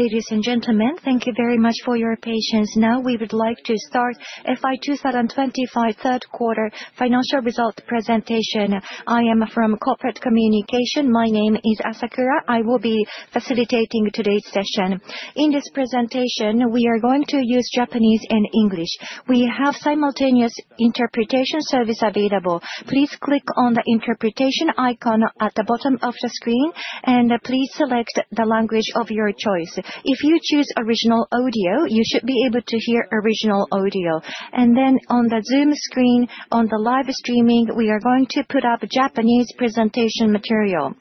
Ladies and gentlemen, thank you very much for your patience. Now, we would like to start FY 2025 third quarter financial result presentation. I am from Corporate Communication. My name is Asakura. I will be facilitating today's session. In this presentation, we are going to use Japanese and English. We have simultaneous interpretation service available. Please click on the interpretation icon at the bottom of the screen, and please select the language of your choice. If you choose original audio, you should be able to hear original audio. And then on the Zoom screen, on the live streaming, we are going to put up Japanese presentation material.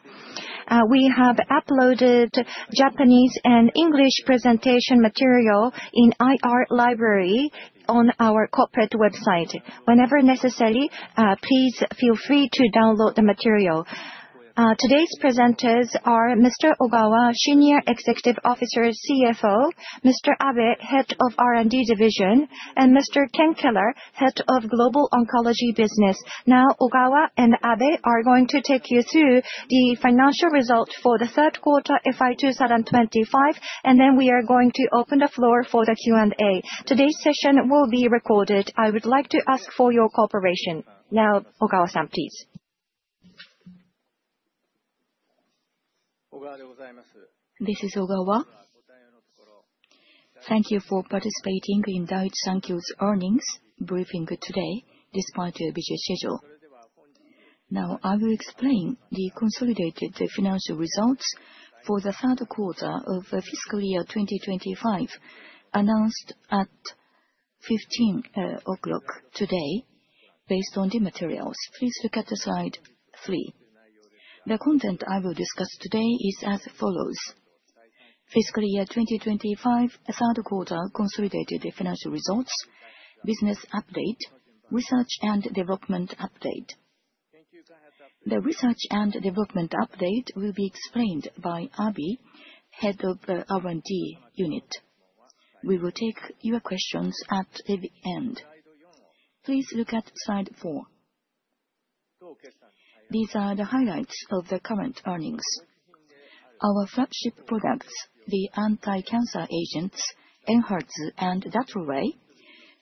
We have uploaded Japanese and English presentation material in IR Library on our corporate website. Whenever necessary, please feel free to download the material. Today's presenters are Mr. Ogawa, Senior Executive Officer, CFO, Mr. Abe, Head of R&D Division, and Mr. Ken Keller, Head of Global Oncology Business. Now, Ogawa and Abe are going to take you through the financial results for the third quarter FY 2025, and then we are going to open the floor for the Q&A. Today's session will be recorded. I would like to ask for your cooperation. Now, Ogawa-san, please. This is Ogawa. Thank you for participating in Daiichi Sankyo's earnings briefing today, despite your busy schedule. Now, I will explain the consolidated financial results for the third quarter of the fiscal year 2025, announced at 3:00 P.M. today, based on the materials. Please look at slide 3. The content I will discuss today is as follows: fiscal year 2025, third quarter consolidated financial results, business update, research and development update. The research and development update will be explained by Abe, Head of the R&D unit. We will take your questions at the end. Please look at slide 4. These are the highlights of the current earnings. Our flagship products, the anticancer agents, ENHERTU and Dato-DXd,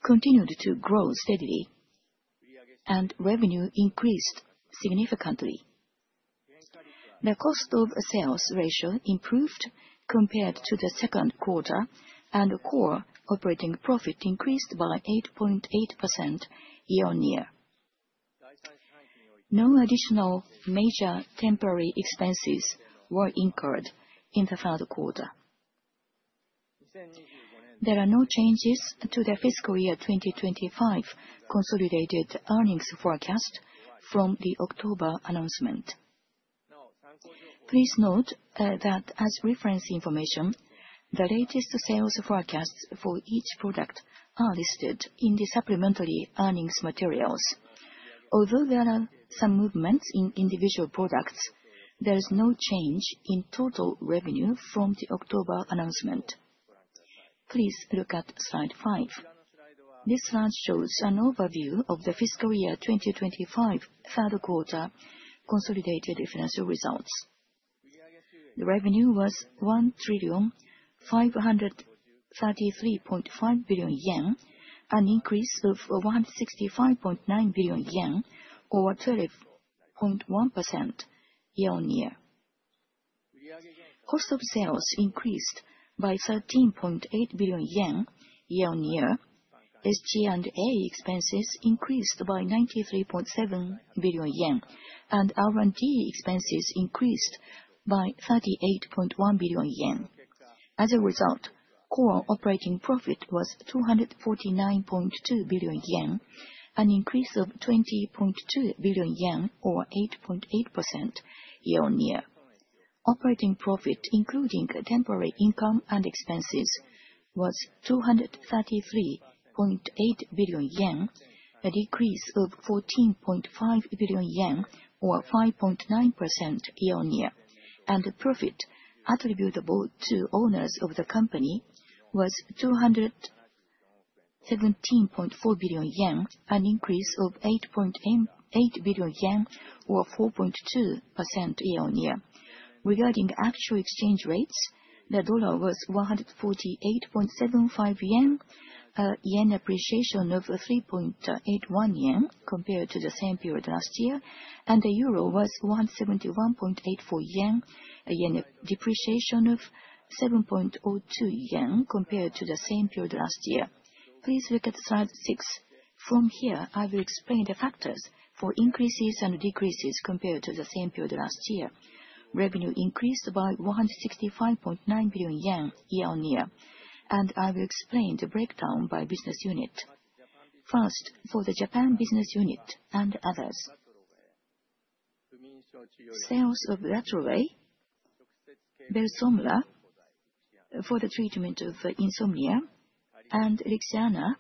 continued to grow steadily, and revenue increased significantly. The cost of sales ratio improved compared to the second quarter, and core operating profit increased by 8.8% year-on-year. No additional major temporary expenses were incurred in the third quarter. There are no changes to the fiscal year 2025 consolidated earnings forecast from the October announcement. Please note that as reference information, the latest sales forecasts for each product are listed in the supplementary earnings materials. Although there are some movements in individual products, there is no change in total revenue from the October announcement. Please look at slide 5. This slide shows an overview of the fiscal year 2025 third quarter consolidated financial results. The revenue was 1,533.5 billion yen, an increase of 165.9 billion yen, or 12.1% year-on-year. Cost of sales increased by 13.8 billion yen year-on-year, SG&A expenses increased by 93.7 billion yen, and R&D expenses increased by 38.1 billion yen. As a result, core operating profit was 249.2 billion yen, an increase of 20.2 billion yen or 8.8% year-on-year. Operating profit, including temporary income and expenses, was 233.8 billion yen, a decrease of 14.5 billion yen or 5.9% year-on-year. The profit attributable to owners of the company was 217.4 billion, an increase of eight billion yen or 4.2% year-on-year. Regarding actual exchange rates, the dollar was 148.75 JPY, a JPY appreciation of three point eight one yen compared to the same period last year, and the euro was 171.84 yen, a yen depreciation of 7.02 yen compared to the same period last year. Please look at slide six. From here, I will explain the factors for increases and decreases compared to the same period last year. Revenue increased by 165.9 billion yen year-on-year, and I will explain the breakdown by business unit. First, for the Japan business unit and others. Sales of DATROWAY, Belsomra, for the treatment of insomnia, and Lixiana,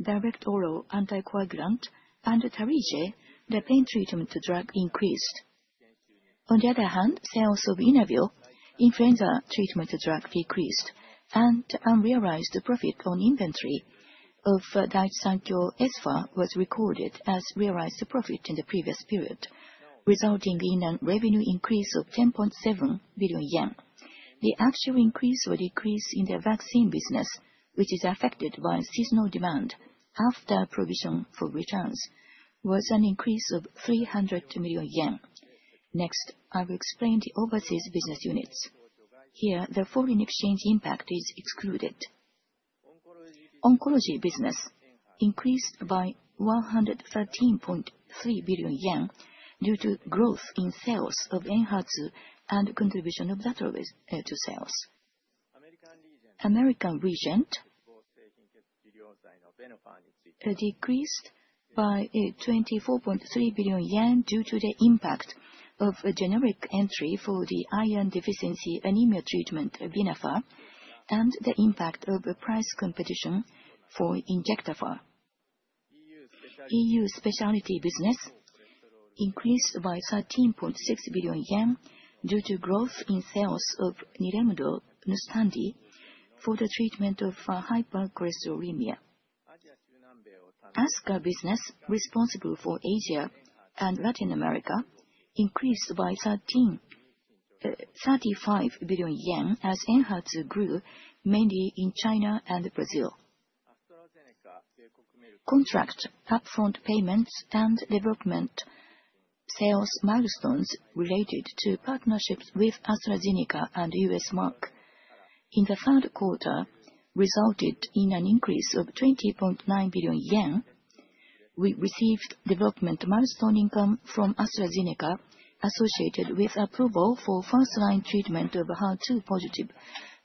direct oral anticoagulant, and Tarlige, the pain treatment drug, increased. On the other hand, sales of Inavir, influenza treatment drug, decreased, and unrealized profit on inventory of Daiichi Sankyo Espha was recorded as realized profit in the previous period, resulting in a revenue increase of 10.7 billion yen. The actual increase or decrease in the vaccine business, which is affected by seasonal demand after provision for returns, was an increase of 300 million yen. Next, I will explain the overseas business units. Here, the foreign exchange impact is excluded. Oncology business increased by 113.3 billion yen due to growth in sales of ENHERTU and contribution of DATROWAY sales. American region decreased by 24.3 billion yen due to the impact of a generic entry for the iron deficiency anemia treatment, Venofer, and the impact of a price competition for Injectafer. EU specialty business increased by 13.6 billion yen due to growth in sales of Nilemdo and Nustendi for the treatment of hypercholesterolemia. ASCA business, responsible for Asia and Latin America, increased by 35 billion yen, as ENHERTU grew mainly in China and Brazil. Contract upfront payments and development sales milestones related to partnerships with AstraZeneca and U.S. Merck in the third quarter resulted in an increase of 20.9 billion yen. We received development milestone income from AstraZeneca, associated with approval for first-line treatment of HER2-positive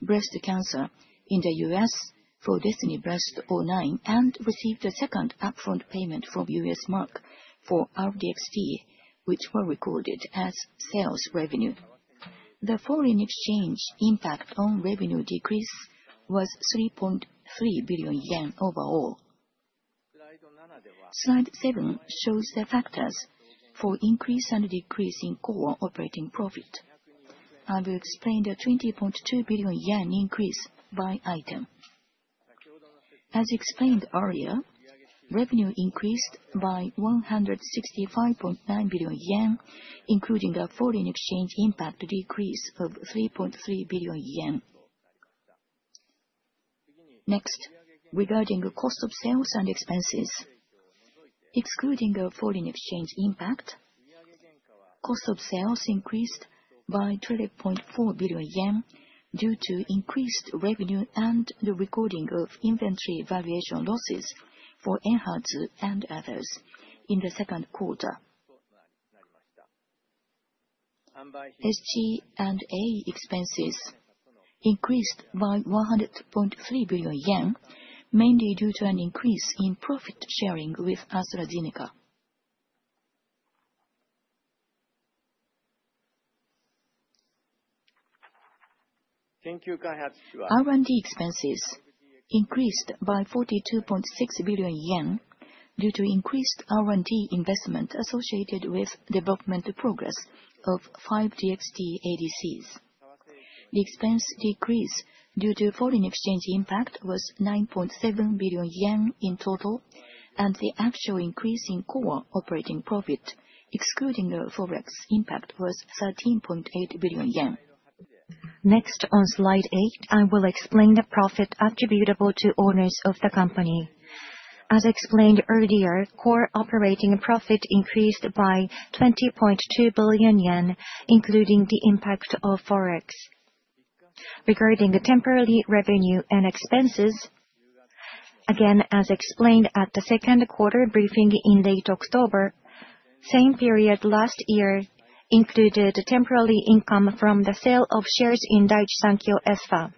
breast cancer in the U.S. for DESTINY-Breast09, and received a second upfront payment from U.S. Merck for R-DXd, which were recorded as sales revenue. The foreign exchange impact on revenue decrease was 3.3 billion yen overall. Slide seven shows the factors for increase and decrease in core operating profit. I will explain the 20.2 billion yen increase by item. As explained earlier, revenue increased by 165.9 billion yen, including a foreign exchange impact decrease of 3.3 billion yen. Next, regarding the cost of sales and expenses. Excluding a foreign exchange impact, cost of sales increased by 12.4 billion yen due to increased revenue and the recording of inventory valuation losses for ENHERTU and others in the second quarter. SG&A expenses increased by 100.3 billion yen, mainly due to an increase in profit sharing with AstraZeneca. R&D expenses increased by 42.6 billion yen due to increased R&D investment associated with development progress of 5DXd ADCs. The expense decrease due to foreign exchange impact was 9.7 billion yen in total, and the actual increase in core operating profit, excluding the ForEx impact, was 13.8 billion yen. Next, on Slide 8, I will explain the profit attributable to owners of the company. As explained earlier, core operating profit increased by 20.2 billion yen, including the impact of Forex. Regarding the temporary revenue and expenses, again, as explained at the second quarter briefing in late October, same period last year included temporary income from the sale of shares in Daiichi Sankyo Espha.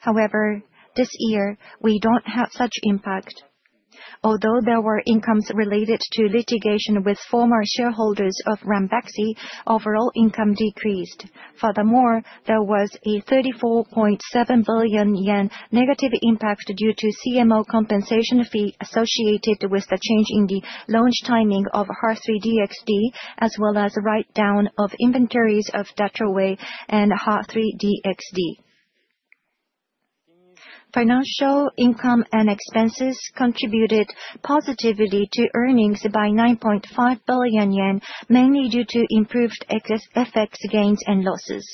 However, this year, we don't have such impact. Although there were incomes related to litigation with former shareholders of Ranbaxy, overall income decreased. Furthermore, there was a 34.7 billion yen negative impact due to CMO compensation fee associated with the change in the launch timing of HER3-DXd, as well as the write-down of inventories of DATROWAY and HER3-DXd. Financial income and expenses contributed positively to earnings by 9.5 billion yen, mainly due to improved ex- FX gains and losses.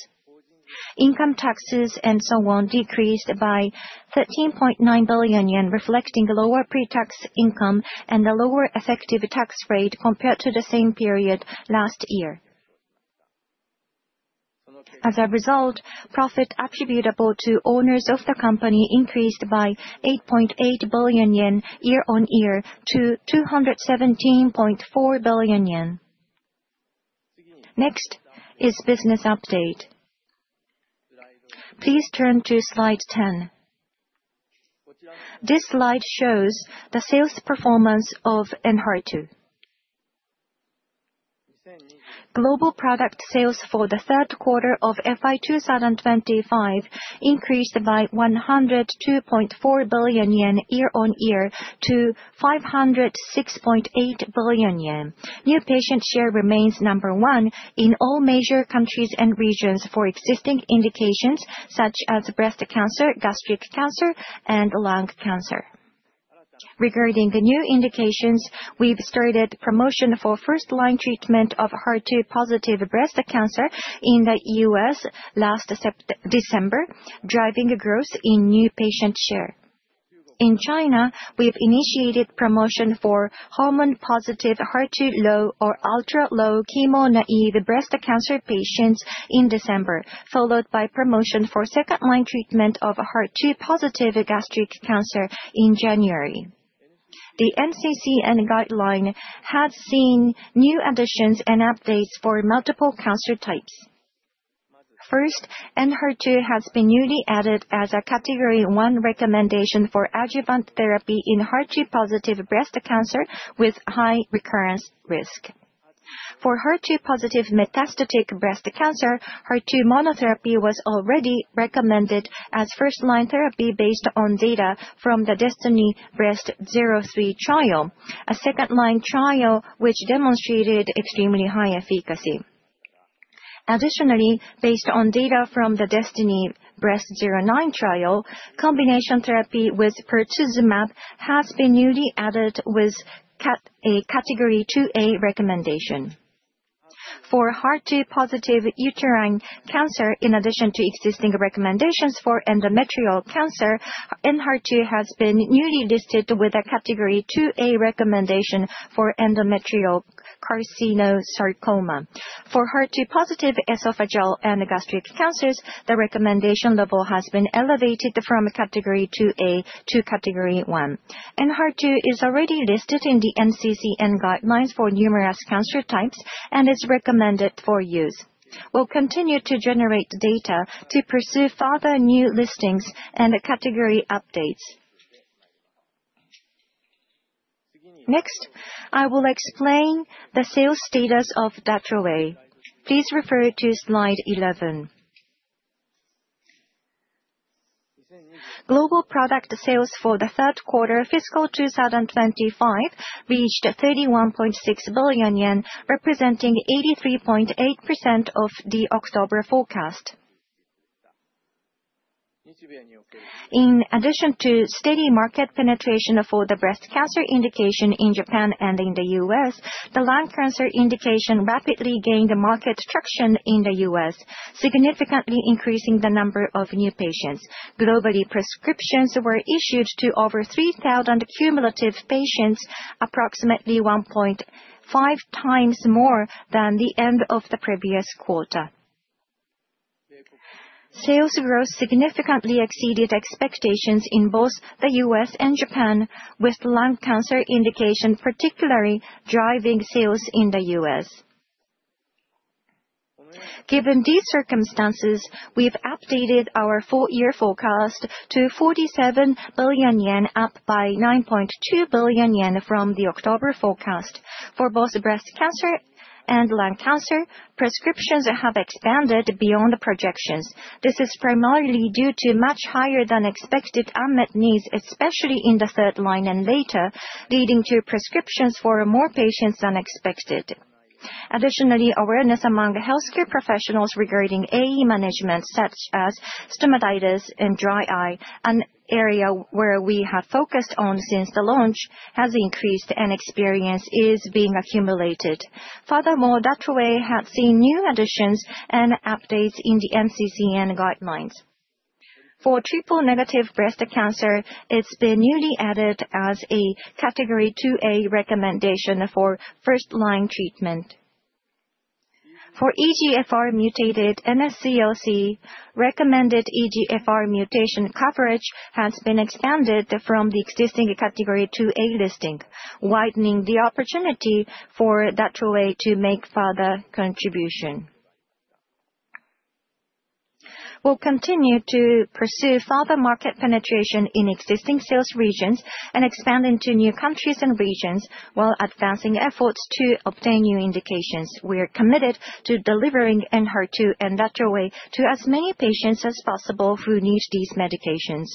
Income taxes and so on decreased by 13.9 billion yen, reflecting lower pre-tax income and a lower effective tax rate compared to the same period last year. As a result, profit attributable to owners of the company increased by 8.8 billion yen year-on-year to 217.4 billion yen. Next is business update. Please turn to Slide 10. This slide shows the sales performance of ENHERTU. Global product sales for the third quarter of FY 2025 increased by 102.4 billion yen year-on-year to 506.8 billion yen. New patient share remains number one in all major countries and regions for existing indications such as breast cancer, gastric cancer, and lung cancer.... Regarding the new indications, we've started promotion for first-line treatment of HER2-positive breast cancer in the U.S. last September-December, driving growth in new patient share. In China, we've initiated promotion for hormone-positive HER2-low or ultra-low chemo-naive breast cancer patients in December, followed by promotion for second-line treatment of HER2-positive gastric cancer in January. The NCCN guideline has seen new additions and updates for multiple cancer types. First, ENHERTU has been newly added as a Category 1 recommendation for adjuvant therapy in HER2-positive breast cancer with high recurrence risk. For HER2-positive metastatic breast cancer, HER2 monotherapy was already recommended as first-line therapy based on data from the DESTINY-Breast03 trial, a second-line trial which demonstrated extremely high efficacy. Additionally, based on data from the DESTINY-Breast09 trial, combination therapy with pertuzumab has been newly added with a Category 2A recommendation. For HER2-positive uterine cancer, in addition to existing recommendations for endometrial cancer, ENHERTU has been newly listed with a Category 2A recommendation for endometrial carcinosarcoma. For HER2-positive esophageal and gastric cancers, the recommendation level has been elevated from a Category 2A to Category 1. ENHERTU is already listed in the NCCN guidelines for numerous cancer types, and is recommended for use. We'll continue to generate data to pursue further new listings and category updates. Next, I will explain the sales status of DATROWAY. Please refer to slide 11. Global product sales for the third quarter fiscal 2025 reached 31.6 billion yen, representing 83.8% of the October forecast. In addition to steady market penetration for the breast cancer indication in Japan and in the U.S., the lung cancer indication rapidly gained market traction in the U.S., significantly increasing the number of new patients. Globally, prescriptions were issued to over 3,000 cumulative patients, approximately 1.5x more than the end of the previous quarter. Sales growth significantly exceeded expectations in both the U.S. and Japan, with lung cancer indication, particularly driving sales in the U.S. Given these circumstances, we've updated our full-year forecast to 47 billion yen, up by 9.2 billion yen from the October forecast. For both breast cancer and lung cancer, prescriptions have expanded beyond the projections. This is primarily due to much higher than expected unmet needs, especially in the third line and later, leading to prescriptions for more patients than expected. Additionally, awareness among healthcare professionals regarding AE management, such as stomatitis and dry eye, an area where we have focused on since the launch, has increased, and experience is being accumulated. Furthermore, DATROWAY has seen new additions and updates in the NCCN guidelines. For triple-negative breast cancer, it's been newly added as a Category 2A recommendation for first-line treatment. For EGFR mutated NSCLC, recommended EGFR mutation coverage has been expanded from the existing Category 2A listing, widening the opportunity for DATROWAY to make further contribution. We'll continue to pursue further market penetration in existing sales regions and expand into new countries and regions while advancing efforts to obtain new indications. We are committed to delivering ENHERTU and DATROWAY to as many patients as possible who need these medications.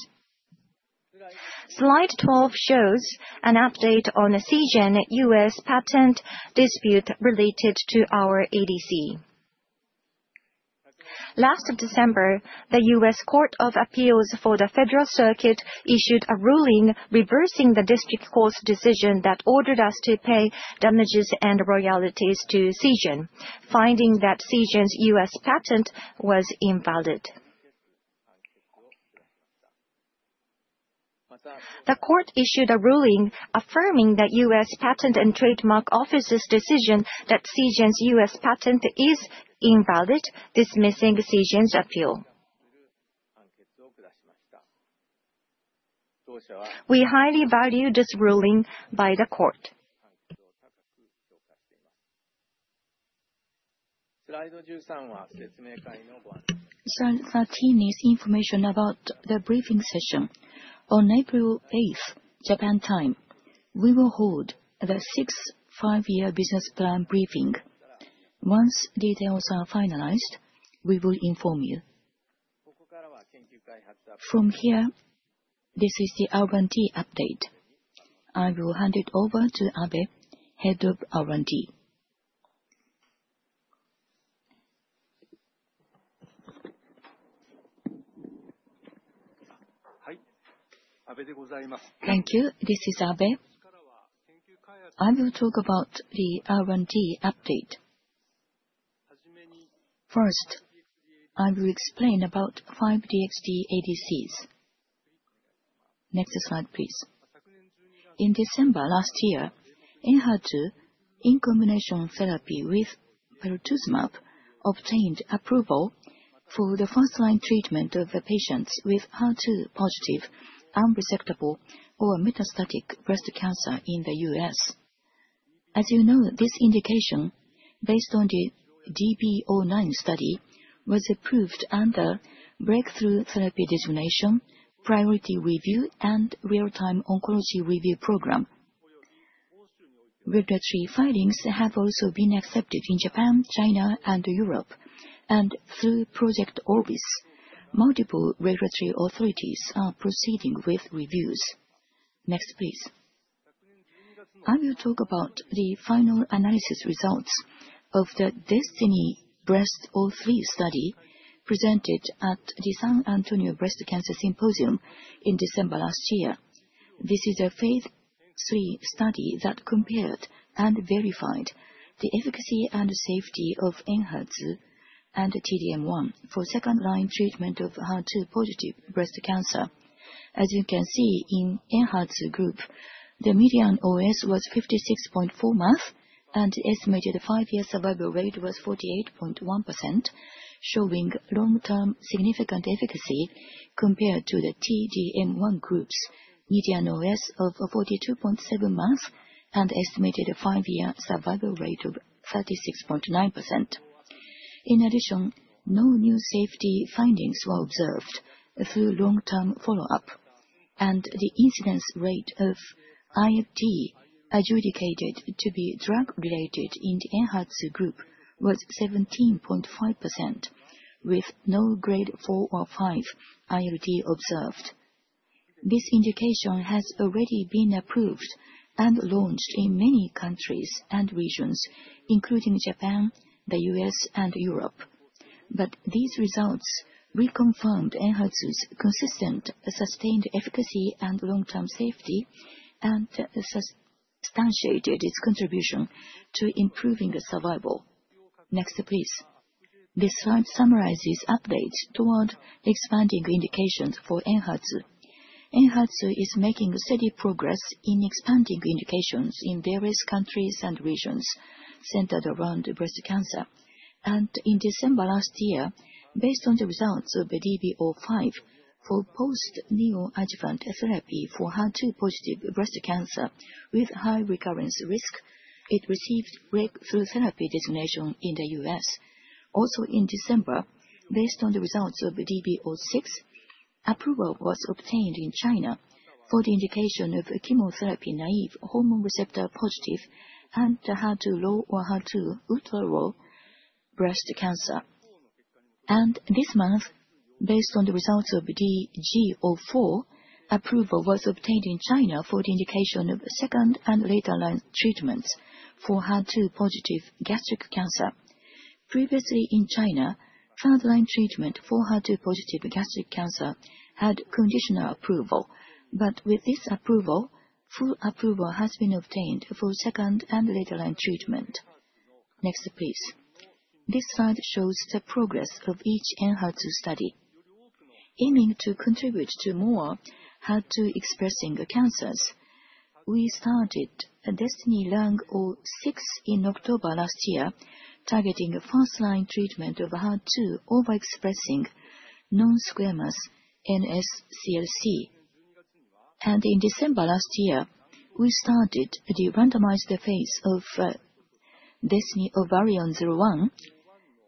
Slide 12 shows an update on a Seagen U.S. patent dispute related to our ADC. Last December, the U.S. Court of Appeals for the Federal Circuit issued a ruling reversing the District Court's decision that ordered us to pay damages and royalties to Seagen, finding that Seagen's U.S. patent was invalid. The court issued a ruling affirming the U.S. Patent and Trademark Office's decision that Seagen's U.S. patent is invalid, dismissing Seagen's appeal. We highly value this ruling by the court. Slide 13 is information about the briefing session. On April 8th, Japan time, we will hold the sixth five-year business plan briefing. Once details are finalized, we will inform you. From here, this is the R&D update. I will hand it over to Abe, Head of R&D. Thank you. This is Abe. I will talk about the R&D update. First, I will explain about 5DXd ADCs. Next slide, please. In December last year, ENHERTU, in combination therapy with pertuzumab, obtained approval for the first-line treatment of the patients with HER2-positive, unresectable or metastatic breast cancer in the U.S. As you know, this indication, based on the DB-09 study, was approved under Breakthrough Therapy Designation, Priority Review, and Real-Time Oncology Review program. Regulatory filings have also been accepted in Japan, China, and Europe, and through Project Orbis, multiple regulatory authorities are proceeding with reviews. Next, please. I will talk about the final analysis results of the DESTINY-Breast03 study presented at the San Antonio Breast Cancer Symposium in December last year. This is a phase III study that compared and verified the efficacy and safety of ENHERTU and T-DM1 for second-line treatment of HER2-positive breast cancer. As you can see, in ENHERTU group, the median OS was 56.4 months, and estimated five-year survival rate was 48.1%, showing long-term significant efficacy compared to the T-DM1 group's median OS of 42.7 months and estimated five-year survival rate of 36.9%. In addition, no new safety findings were observed through long-term follow-up, and the incidence rate of ILD adjudicated to be drug-related in the ENHERTU group was 17.5%, with no Grade 4 or five ILD observed. This indication has already been approved and launched in many countries and regions, including Japan, the U.S., and Europe. These results reconfirmed ENHERTU's consistent, sustained efficacy and long-term safety, and substantiated its contribution to improving the survival. Next, please. This slide summarizes updates toward expanding indications for ENHERTU. ENHERTU is making steady progress in expanding indications in various countries and regions centered around breast cancer. In December last year, based on the results of the DB-05 for post neoadjuvant therapy for HER2-positive breast cancer with high recurrence risk, it received breakthrough therapy designation in the U.S. Also in December, based on the results of DB-06, approval was obtained in China for the indication of chemotherapy-naïve, hormone receptor-positive, and HER2-low or HER2-ultra-low breast cancer. This month, based on the results of DG-04, approval was obtained in China for the indication of second- and later-line treatments for HER2-positive gastric cancer. Previously in China, third-line treatment for HER2-positive gastric cancer had conditional approval, but with this approval, full approval has been obtained for second- and later-line treatment. Next, please. This slide shows the progress of each ENHERTU study. Aiming to contribute to more HER2-expressing cancers, we started DESTINY-Lung06 in October last year, targeting a first-line treatment of HER2 overexpressing non-squamous NSCLC. And in December last year, we started the randomized phase of DESTINY-Ovarian01,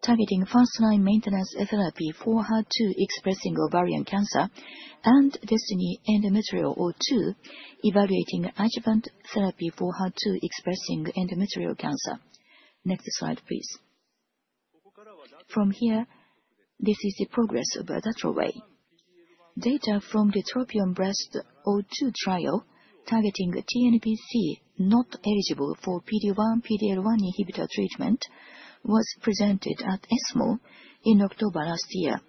targeting first-line maintenance therapy for HER2-expressing ovarian cancer, and DESTINY-Endometrial02, evaluating adjuvant therapy for HER2-expressing endometrial cancer. Next slide, please. From here, this is the progress of DATROWAY. Data from the TROPION-Breast02 trial, targeting TNBC not eligible for PD-1, PD-L1 inhibitor treatment, was presented at ESMO in October last year.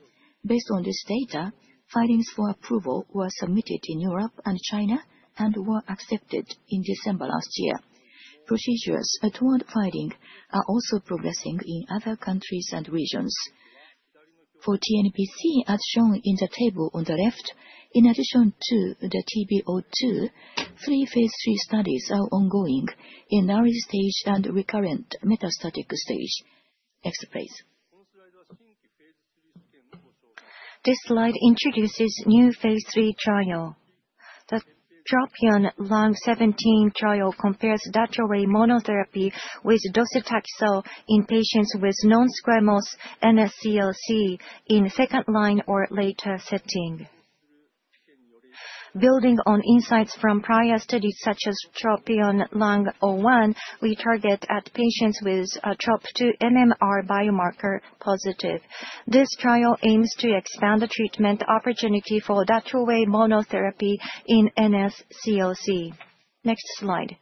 Based on this data, filings for approval were submitted in Europe and China, and were accepted in December last year. Procedures toward filing are also progressing in other countries and regions. For TNBC, as shown in the table on the left, in addition to the TB-02, three phase III studies are ongoing in early stage and recurrent metastatic stage. Next, please. This slide introduces new phase III trial. The TROPION-Lung17 trial compares DATROWAY monotherapy with docetaxel in patients with non-squamous NSCLC in second-line or later setting. Building on insights from prior studies, such as TROPION-Lung01, we target at patients with a TROP2 MMR biomarker positive. This trial aims to expand the treatment opportunity for DATROWAY monotherapy in NSCLC. Next slide.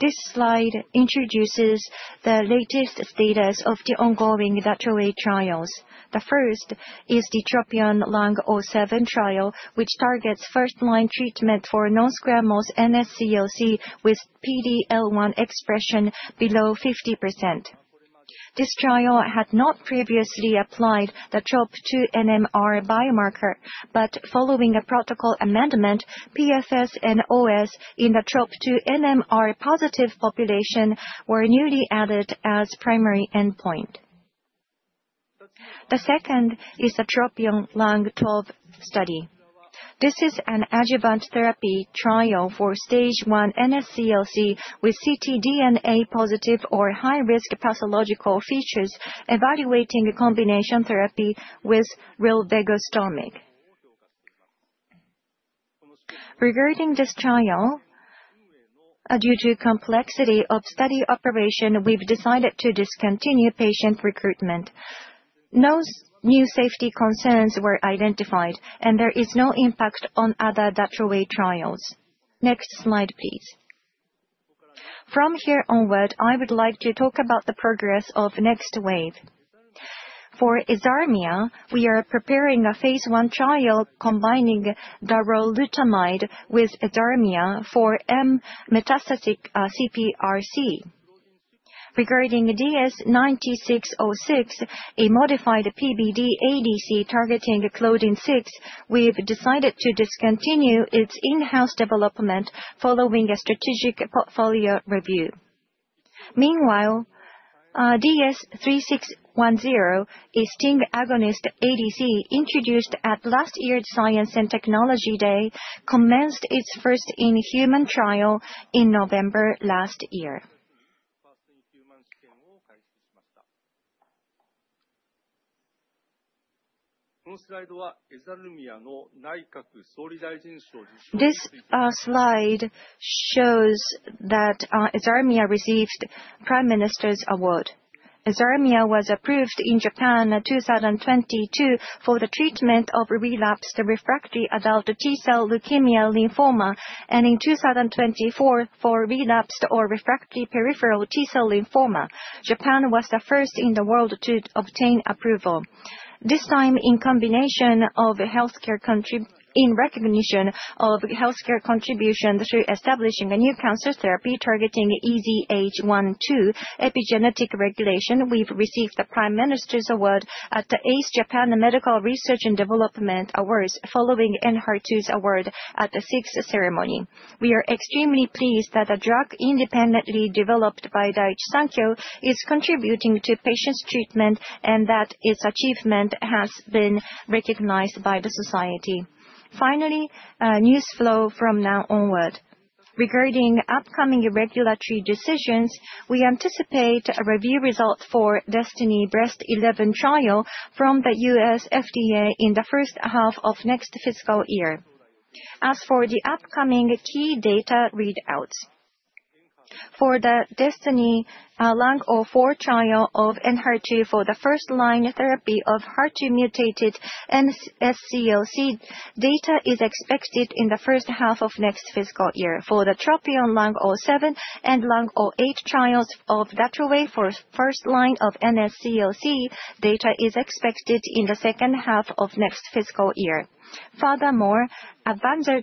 ...This slide introduces the latest status of the ongoing Dato trial trials. The first is the TROPION-Lung07 trial, which targets first-line treatment for non-squamous NSCLC, with PD-L1 expression below 50%. This trial had not previously applied the TROP-2 NMR biomarker, but following a protocol amendment, PFS and OS in the TROP2 NMR positive population were newly added as primary endpoint. The second is the TROPION-Lung12 study. This is an adjuvant therapy trial for stage one NSCLC, with ctDNA positive or high-risk pathological features, evaluating a combination therapy with rilvegostomig. Regarding this trial, due to complexity of study operation, we've decided to discontinue patient recruitment. No new safety concerns were identified, and there is no impact on other Dato trial trials. Next slide, please. From here onward, I would like to talk about the progress of next wave. For EZHARMIA, we are preparing a phase one trial combining darolutamide with EZHARMIA for metastatic CRPC. Regarding DS-9606, a modified PBD ADC targeting Claudin-6, we've decided to discontinue its in-house development following a strategic portfolio review. Meanwhile, DS-3610, a STING agonist ADC, introduced at last year's Science and Technology Day, commenced its first-in-human trial in November last year. This slide shows that EZHARMIA received Prime Minister's Award. EZHARMIA was approved in Japan in 2022 for the treatment of relapsed refractory adult T-cell leukemia lymphoma, and in 2024, for relapsed or refractory peripheral T-cell lymphoma. Japan was the first in the world to obtain approval. This time in recognition of healthcare contribution through establishing a new cancer therapy, targeting EZH1/2, epigenetic regulation, we've received the Prime Minister's Award at the 8th Japan Medical Research and Development Awards, following ENHERTU's award at the sixth ceremony. We are extremely pleased that a drug independently developed by Daiichi Sankyo is contributing to patients' treatment, and that its achievement has been recognized by the society. Finally, news flow from now onward. Regarding upcoming regulatory decisions, we anticipate a review result for DESTINY-Breast11 trial from the U.S. FDA in the first half of next fiscal year. As for the upcoming key data readouts, for the DESTINY-Lung04 trial of ENHERTU for the first-line therapy of HER2 mutated NSCLC, data is expected in the first half of next fiscal year. For the TROPION-Lung07 and Lung08 trials of DATROWAY for first-line of NSCLC, data is expected in the second half of next fiscal year. Furthermore, AVANZAR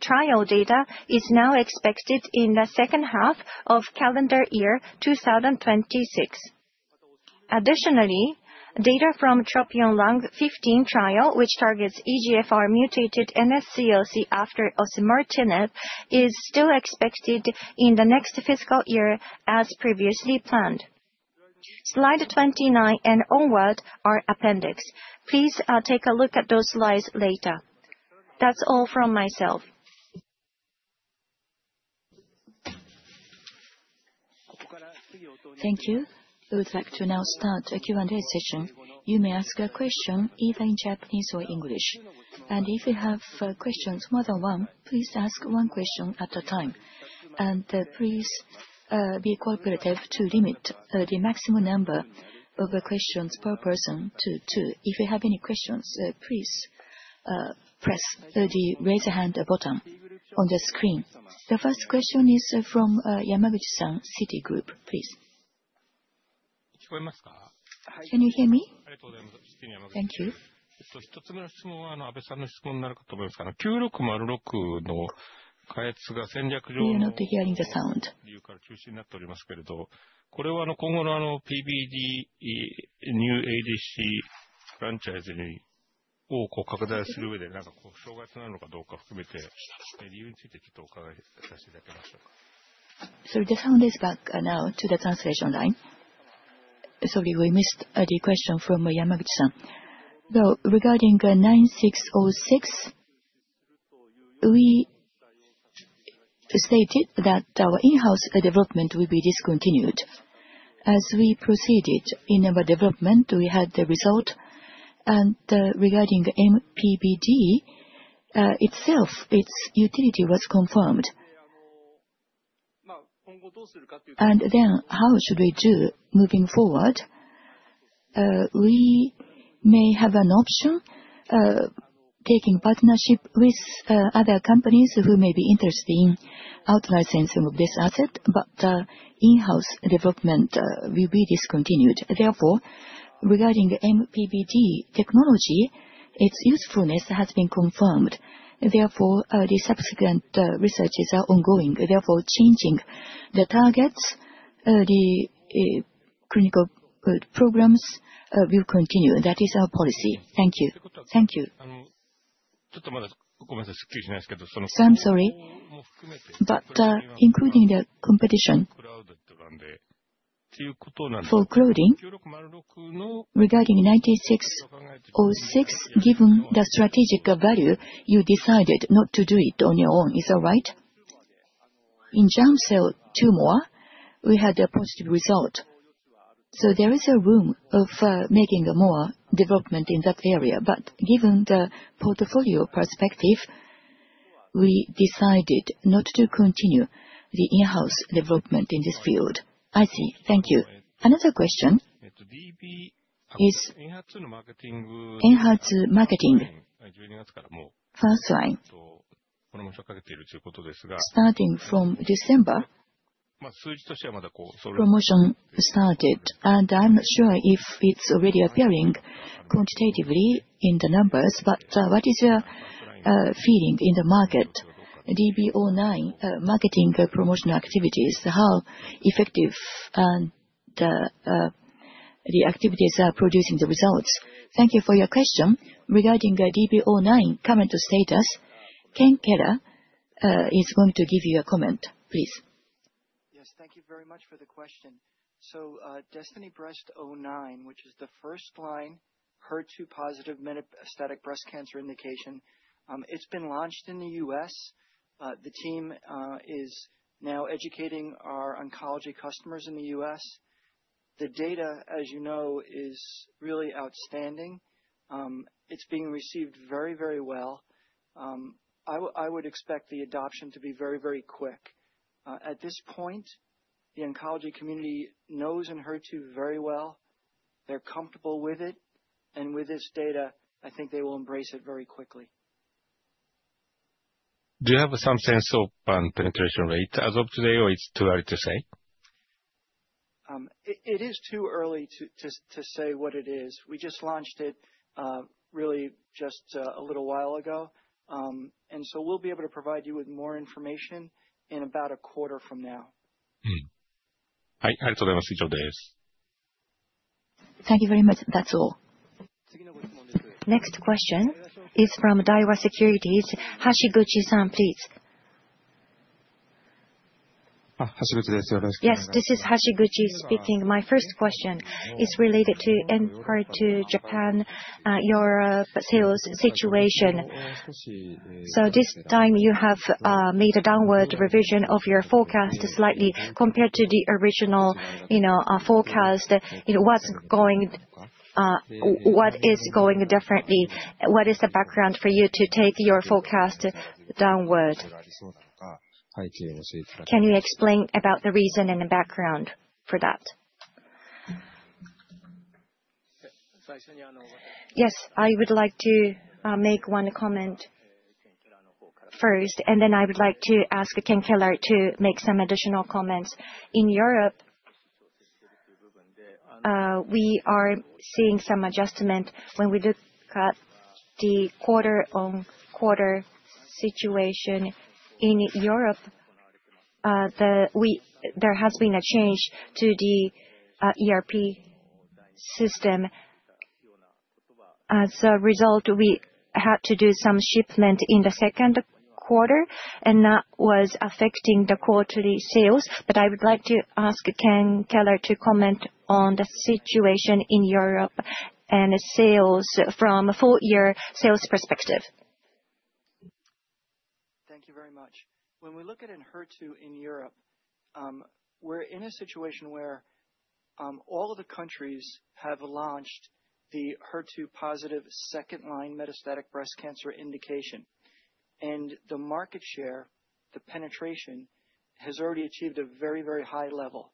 trial data is now expected in the second half of calendar year 2026. Additionally, data from TROPION-Lung15 trial, which targets EGFR mutated NSCLC after osimertinib, is still expected in the next fiscal year, as previously planned. Slide 29 and onward are appendix. Please, take a look at those slides later. That's all from myself. Thank you. We would like to now start a Q&A session. You may ask a question either in Japanese or English, and if you have questions more than one, please ask one question at a time. Please, be cooperative to limit the maximum number of questions per person to two. If you have any questions, please press the Raise a Hand button on the screen. The first question is from Yamaguchi-san, Citigroup, please. Can you hear me? Thank you. We are not hearing the sound. Sorry, the sound is back, now to the translation line. Sorry, we missed the question from Yamaguchi-san. So regarding DS-9606, we stated that our in-house development will be discontinued. As we proceeded in our development, we had the result, and regarding mPBD itself, its utility was confirmed. And then, how should we do moving forward?... we may have an option, taking partnership with other companies who may be interested in out-licensing of this asset, but in-house development will be discontinued. Therefore, regarding the mPBD technology, its usefulness has been confirmed. Therefore, the subsequent researches are ongoing, therefore, changing the targets, the clinical programs will continue. That is our policy. Thank you. Thank you. So I'm sorry, but including the competition for Claudin, regarding DS-9606, given the strategic value, you decided not to do it on your own. Is that right? In giant cell tumor, we had a positive result. So there is a room for making more development in that area, but given the portfolio perspective, we decided not to continue the in-house development in this field. I see. Thank you. Another question, is ENHERTU marketing, first line. Starting from December, promotion started, and I'm not sure if it's already appearing quantitatively in the numbers, but what is your feeling in the market? DESTINY-Breast09 marketing promotion activities, how effective are the activities are producing the results? Thank you for your question. Regarding the DESTINY-Breast09 current status, Ken Keller is going to give you a comment, please. Yes, thank you very much for the question. So, DESTINY-Breast09, which is the first-line HER2-positive metastatic breast cancer indication, it's been launched in the U.S. The team is now educating our oncology customers in the U.S. The data, as you know, is really outstanding. It's being received very, very well. I would expect the adoption to be very, very quick. At this point, the oncology community knows in HER2 very well. They're comfortable with it, and with this data, I think they will embrace it very quickly. Do you have some sense of, penetration rate as of today, or it's too early to say? It is too early to say what it is. We just launched it really just a little while ago. And so we'll be able to provide you with more information in about a quarter from now. Mm. Thank you very much. That's all. Next question is from Daiwa Securities. Hashiguchi San, please. Uh, Hashiguchi. Yes, this is Hashiguchi speaking. My first question is related to inquiry to Japan, your sales situation. So this time you have made a downward revision of your forecast slightly compared to the original, you know, forecast. You know, what's going differently? What is the background for you to take your forecast downward? Can you explain about the reason and the background for that? Yes, I would like to make one comment first, and then I would like to ask Ken Keller to make some additional comments. In Europe, we are seeing some adjustment when we look at the quarter-on-quarter situation in Europe. There has been a change to the ERP system. As a result, we had to do some shipment in the second quarter, and that was affecting the quarterly sales. But I would like to ask Ken Keller to comment on the situation in Europe and sales from a full year sales perspective. Thank you very much. When we look at ENHERTU in Europe, we're in a situation where all of the countries have launched the HER2 positive second line metastatic breast cancer indication. The market share, the penetration, has already achieved a very, very high level.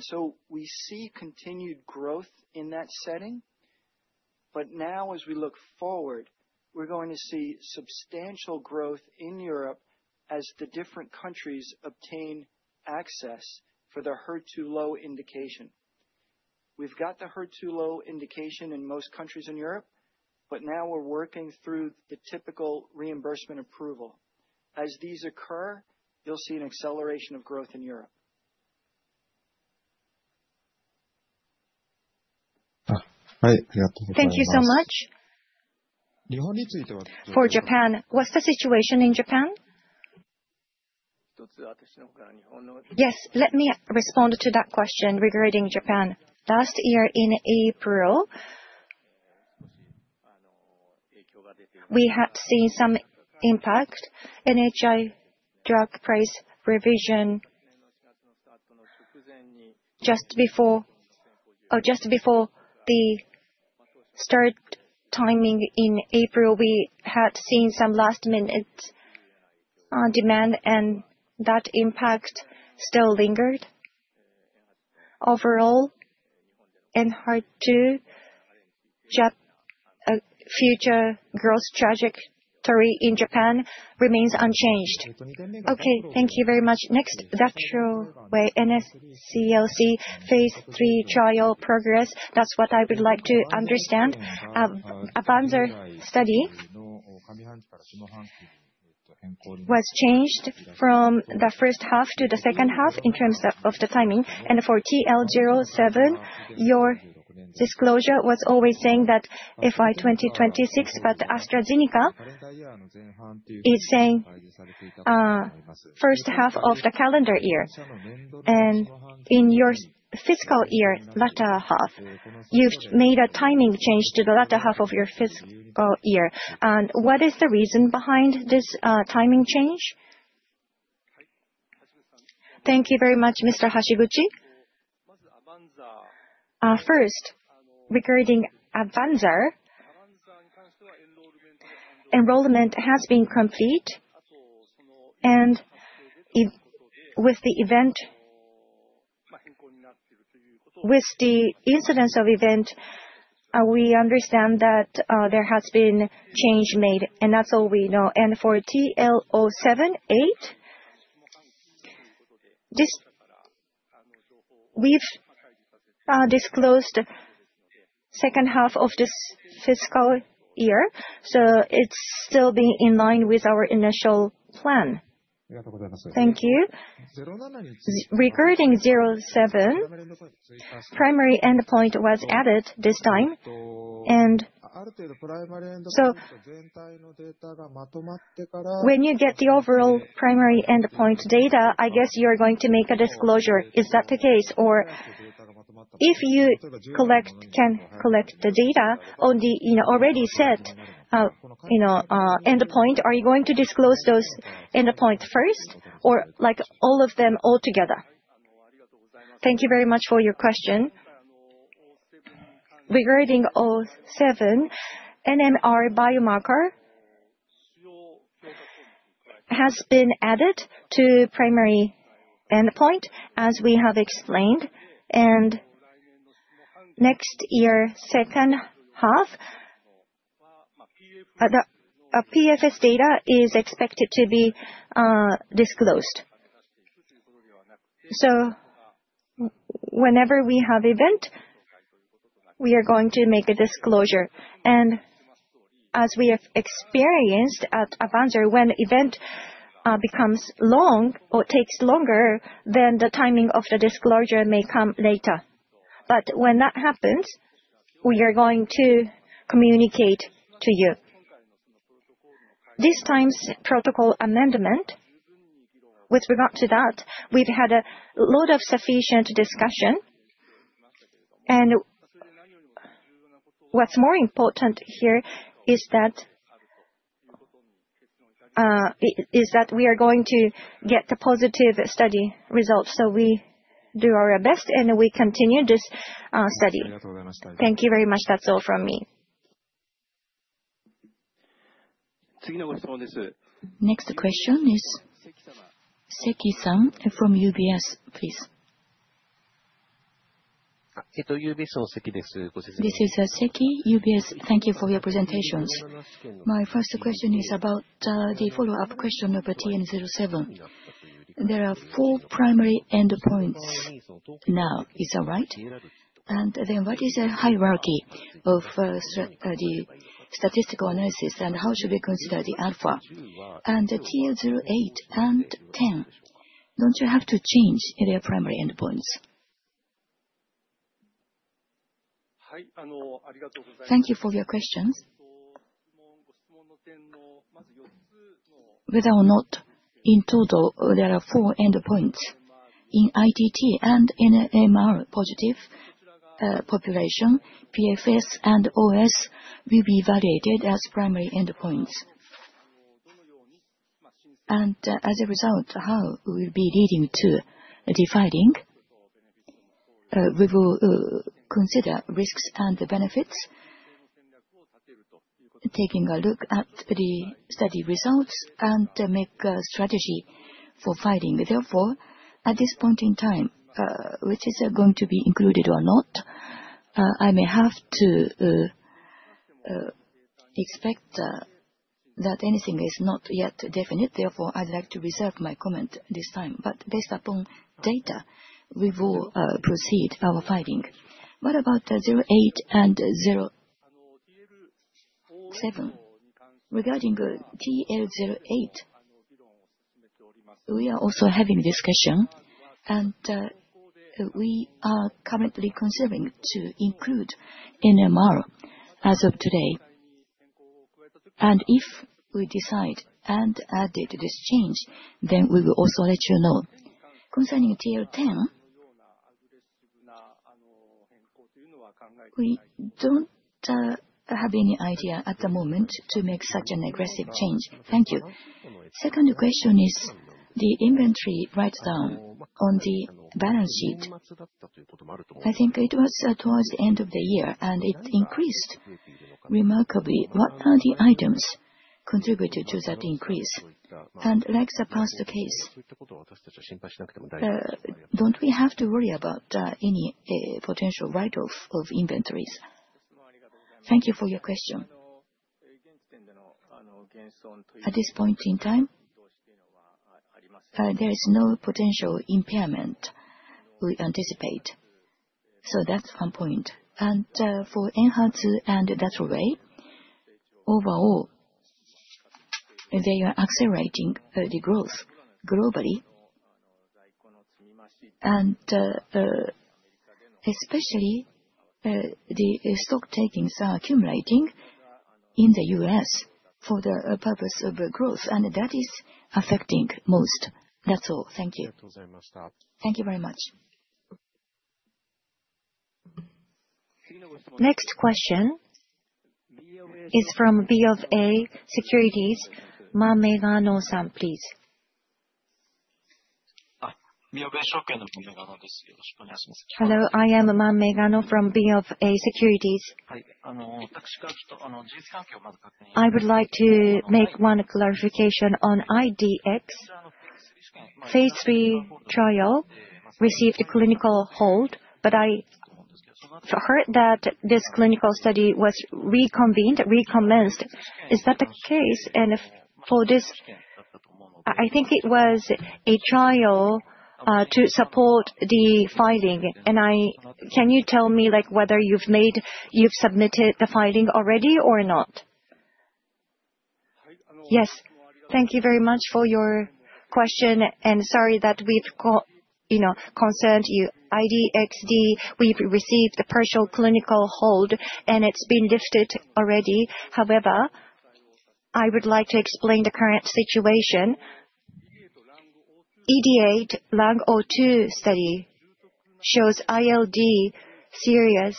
So we see continued growth in that setting. But now as we look forward, we're going to see substantial growth in Europe as the different countries obtain access for the HER2 low indication. We've got the HER2 low indication in most countries in Europe, but now we're working through the typical reimbursement approval. As these occur, you'll see an acceleration of growth in Europe. Thank you so much. For Japan, what's the situation in Japan? Yes, let me respond to that question regarding Japan. Last year in April, we had seen some impact, NHI drug price revision just before the start timing in April, we had seen some last-minute demand, and that impact still lingered. Overall, in H2, future growth trajectory in Japan remains unchanged. Okay, thank you very much. Next, DARTROWAY NSCLC Phase 3 trial progress, that's what I would like to understand. AVANZARr study was changed from the first half to the second half in terms of the timing, and for TL07, your disclosure was always saying that FY 2026, but AstraZeneca is saying first half of the calendar year. And in your fiscal year, latter half, you've made a timing change to the latter half of your fiscal year. What is the reason behind this timing change? Thank you very much, Mr. Hashiguchi. First, regarding AVANZARR, enrollment has been complete, and with the event, with the incidence of event, we understand that there has been change made, and that's all we know. And for TL078, we've disclosed second half of this fiscal year, so it's still being in line with our initial plan. Thank you. Regarding 07, primary endpoint was added this time. And so when you get the overall primary endpoint data, I guess you're going to make a disclosure. Is that the case? Or if you can collect the data on the, you know, already set, you know, endpoint, are you going to disclose those endpoint first, or, like, all of them all together? Thank you very much for your question. Regarding 07, NMR biomarker has been added to primary endpoint, as we have explained. And next year, second half, the PFS data is expected to be disclosed. So whenever we have event, we are going to make a disclosure. And as we have experienced at AVANZAR, when event becomes long or takes longer, then the timing of the disclosure may come later. But when that happens, we are going to communicate to you. This time's protocol amendment, with regard to that, we've had a lot of sufficient discussion. And what's more important here is that we are going to get the positive study results, so we do our best, and we continue this study. Thank you very much. That's all from me. Next question is Sakai-san from UBS, please. This is Sakai, UBS. Thank you for your presentations. My first question is about the follow-up question about TN07. There are four primary endpoints now, is that right? And then what is the hierarchy of the statistical analysis, and how should we consider the alpha? And the TL08 and 10, don't you have to change their primary endpoints? Thank you for your questions. Whether or not in total, there are four endpoints. In ITT and NMR positive population, PFS and OS will be evaluated as primary endpoints. And, as a result, how we will be leading to deciding, we will consider risks and the benefits, taking a look at the study results, and make a strategy for filing. Therefore, at this point in time, which is going to be included or not, I may have to expect that anything is not yet definite, therefore, I'd like to reserve my comment this time. But based upon data, we will proceed our filing. What about 08 and 07? Regarding TL08, we are also having discussion, and we are currently considering to include NMR as of today. If we decide and add it to this change, then we will also let you know. Concerning TL10, we don't have any idea at the moment to make such an aggressive change. Thank you. Second question is the inventory write down on the balance sheet, I think it was towards the end of the year, and it increased remarkably. What are the items contributed to that increase? And like the past the case, don't we have to worry about any potential write-off of inventories? Thank you for your question. At this point in time, there is no potential impairment we anticipate, so that's one point. And, for ENHERTU and DATROWAY, overall, they are accelerating the growth globally. And, especially, the stocktakings are accumulating in the U.S. for the purpose of the growth, and that is affecting most. That's all. Thank you. Thank you very much. Next question is from BofA Securities, Mamegano-san, please. Hello, I am Mamegano from BofA Securities. I would like to make one clarification on I-DXd. Phase III trial received a clinical hold, but I heard that this clinical study was reconvened, recommenced. Is that the case? And if for this, I think it was a trial to support the filing, and I... Can you tell me, like, whether you've made- you've submitted the filing already or not? Yes. Thank you very much for your question, and sorry that we've, you know, concerned you. IDX, we've received the partial clinical hold, and it's been lifted already. However, I would like to explain the current situation. IDeate-02 study shows ILD serious...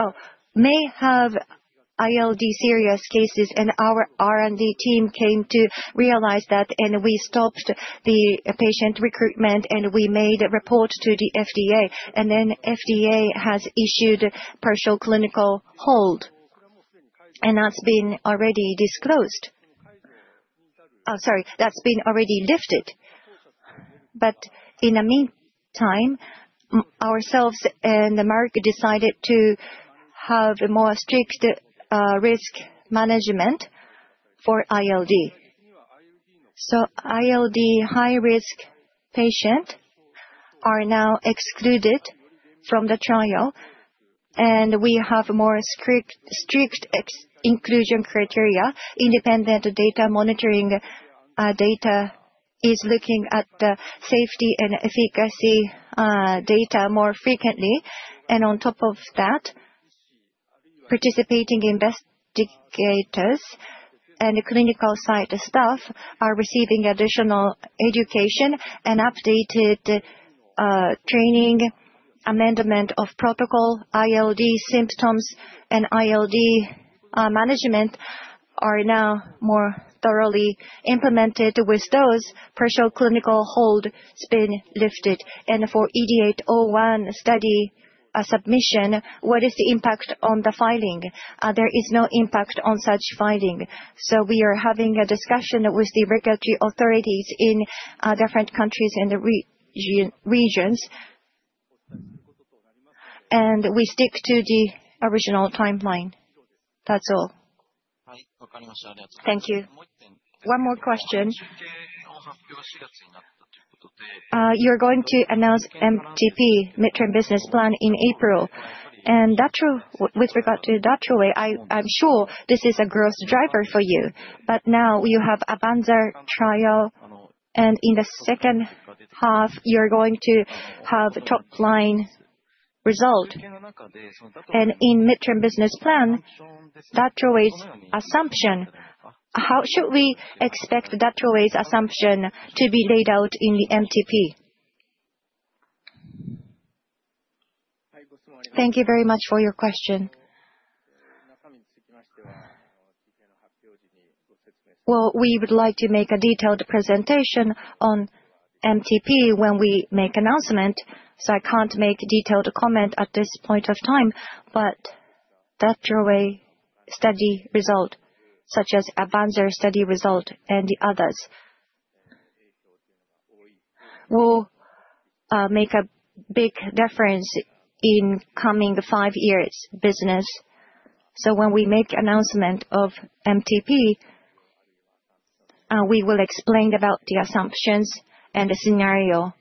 Oh, may have ILD serious cases, and our R&D team came to realize that, and we stopped the patient recruitment, and we made a report to the FDA. Then FDA has issued partial clinical hold, and that's been already disclosed. Sorry, that's been already lifted. But in the meantime, ourselves and the market decided to have a more strict, risk management for ILD. So ILD high-risk patient are now excluded from the trial, and we have a more strict, strict inclusion criteria. Independent data monitoring, data is looking at the safety and efficacy, data more frequently. And on top of that, participating investigators and the clinical site staff are receiving additional education and updated, training, amendment of protocol, ILD symptoms, and ILD, management are now more thoroughly implemented. With those, partial clinical hold has been lifted. And for IDeate-01 study, submission, what is the impact on the filing? There is no impact on such filing. So we are having a discussion with the regulatory authorities in different countries and the regions. We stick to the original timeline. That's all. Thank you. One more question. You're going to announce MTP, midterm business plan, in April. With regard to DATROWAY, I'm sure this is a growth driver for you, but now you have AVANZAR trial, and in the second half, you're going to have top line result. In midterm business plan, DATROWAY's assumption, how should we expect DATROWAY's assumption to be laid out in the MTP? Thank you very much for your question. Well, we would like to make a detailed presentation on MTP when we make announcement, so I can't make detailed comment at this point of time. But DATROWAY study result, such as AVANZARR study result and the others, will make a big difference in coming five years business. So when we make announcement of MTP, we will explain about the assumptions and the scenario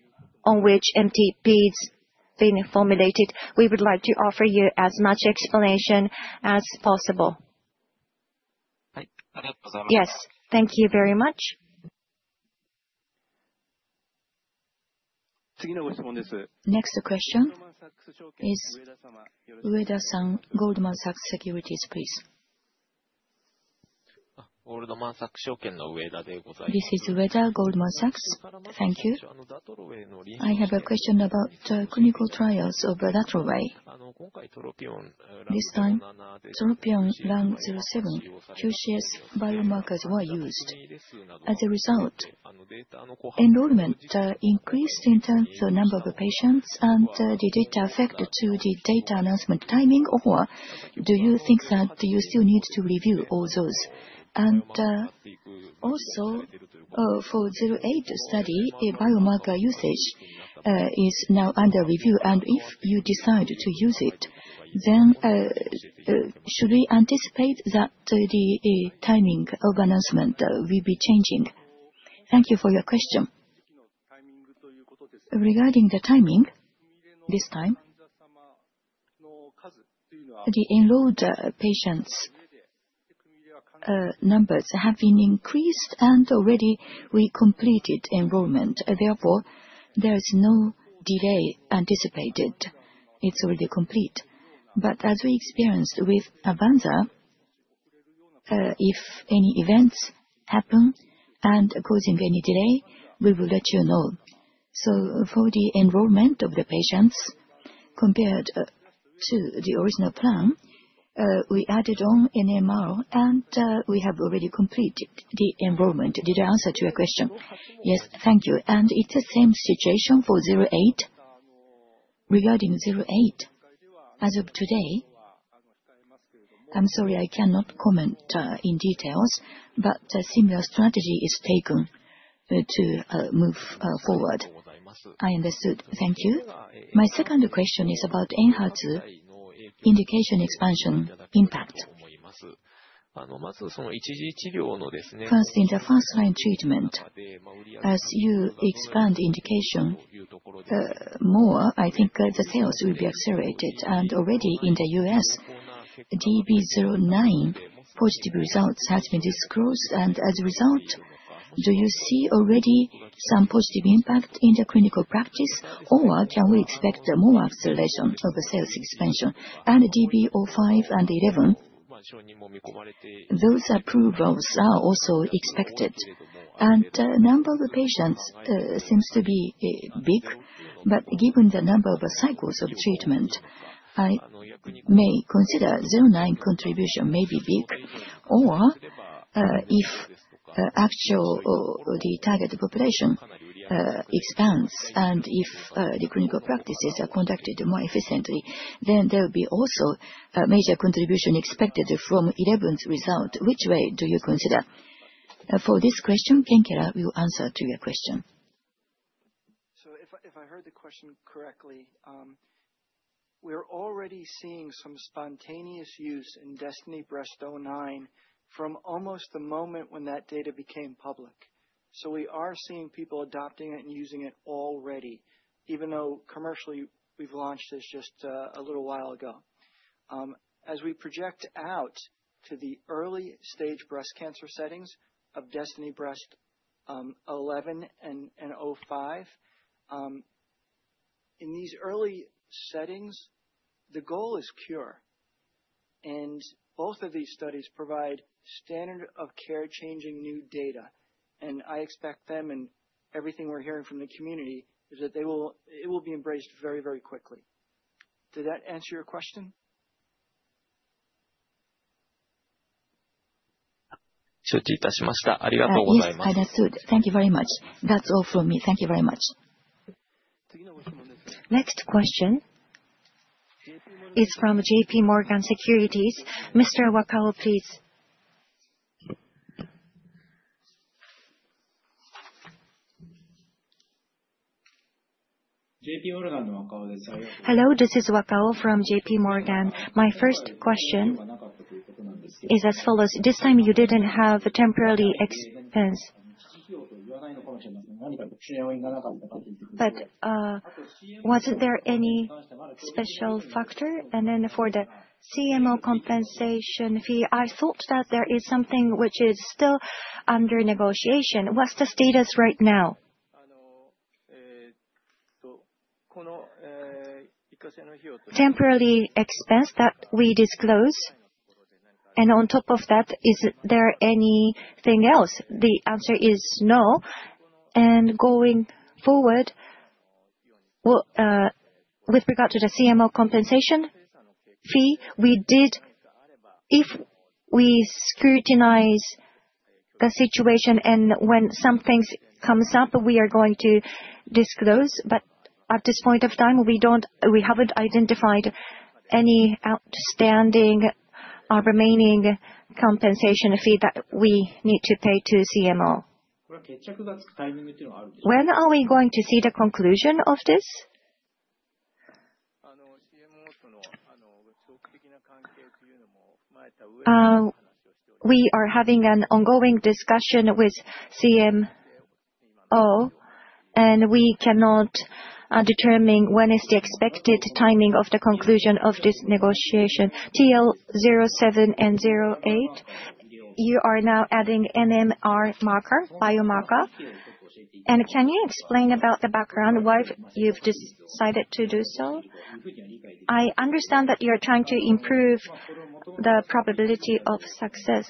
on which MTP's been formulated. We would like to offer you as much explanation as possible. Yes, thank you very much. Next question is Ueda-san, Goldman Sachs, please. This is Ueda, Goldman Sachs. Thank you. I have a question about clinical trials of DATROWAY. ...This time, TROPION-Lung07, QCS biomarkers were used. As a result, enrollment increased in terms of number of patients, and did it affect to the data announcement timing, or do you think that you still need to review all those? Also, for TROPION-Lung08 study, a biomarker usage is now under review, and if you decide to use it, then should we anticipate that the timing of announcement will be changing? Thank you for your question. Regarding the timing, this time, the enrolled patients numbers have been increased and already we completed enrollment. Therefore, there is no delay anticipated. It's already complete. But as we experienced with AVANZAR, if any events happen and causing any delay, we will let you know. So for the enrollment of the patients, compared to the original plan, we added on MMR, and we have already completed the enrollment. Did I answer to your question? Yes, thank you. It's the same situation for 08? Regarding 08, as of today, I'm sorry, I cannot comment in details, but a similar strategy is taken to move forward. I understood. Thank you. My second question is about ENHERTU indication expansion impact. First, in the first-line treatment, as you expand indication, more, I think, the sales will be accelerated. And already in the US, DB-09 positive results have been disclosed, and as a result, do you see already some positive impact in the clinical practice, or can we expect, more acceleration of the sales expansion? And DB-05 and 11, those approvals are also expected, and, number of patients, seems to be, big. But given the number of cycles of treatment, I may consider 09 contribution may be big. Or, if, actual or, or the target population, expands, and if, the clinical practices are conducted more efficiently, then there will be also a major contribution expected from 11th result. Which way do you consider? For this question, Ken Keller will answer to your question. So if I heard the question correctly, we're already seeing some spontaneous use in DESTINY-Breast09 from almost the moment when that data became public. So we are seeing people adopting it and using it already, even though commercially, we've launched this just a little while ago. As we project out to the early-stage breast cancer settings of DESTINY-Breast11 and DESTINY-Breast05, in these early settings, the goal is cure, and both of these studies provide standard of care-changing new data. And I expect them, and everything we're hearing from the community, is that they will, it will be embraced very, very quickly. Did that answer your question? Yes, I understood. Thank you very much. That's all from me. Thank you very much. Next question is from J.P. Morgan. Mr. Wakao, please. Hello, this is Wakao from J.P. Morgan. My first question is as follows: This time, you didn't have a temporary expense. But, wasn't there any special factor? And then for the CMO compensation fee, I thought that there is something which is still under negotiation. What's the status right now? Temporary expense that we disclose, and on top of that, is there anything else? The answer is no. And going forward, with regard to the CMO compensation fee, we did... If we scrutinize the situation and when some things comes up, we are going to disclose, but at this point of time, we don't, we haven't identified any outstanding or remaining compensation fee that we need to pay to CMO. When are we going to see the conclusion of this? We are having an ongoing discussion with CMO, and we cannot determine when is the expected timing of the conclusion of this negotiation. TL 07 and 08, you are now adding MMR marker, biomarker. And can you explain about the background why you've decided to do so? I understand that you're trying to improve the probability of success,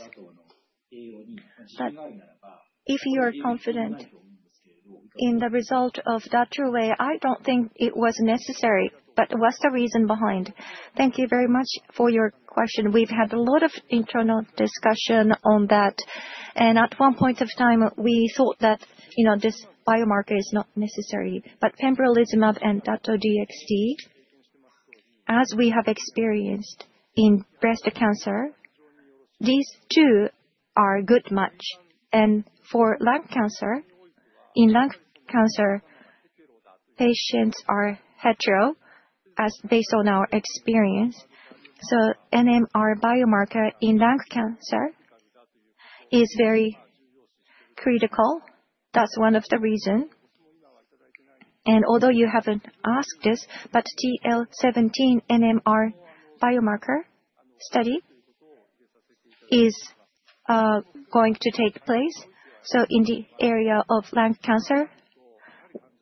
but if you are confident in the result of DATROWAY, I don't think it was necessary, but what's the reason behind? Thank you very much for your question. We've had a lot of internal discussion on that, and at one point of time, we thought that, you know, this biomarker is not necessary. But pembrolizumab and Dato-DXd, as we have experienced in breast cancer, these two are a good match. And for lung cancer, in lung cancer, patients are heterogeneous, as based on our experience. So NMR biomarker in lung cancer is very critical. That's one of the reason. Although you haven't asked this, but TL17 NMR biomarker study is going to take place. So in the area of lung cancer,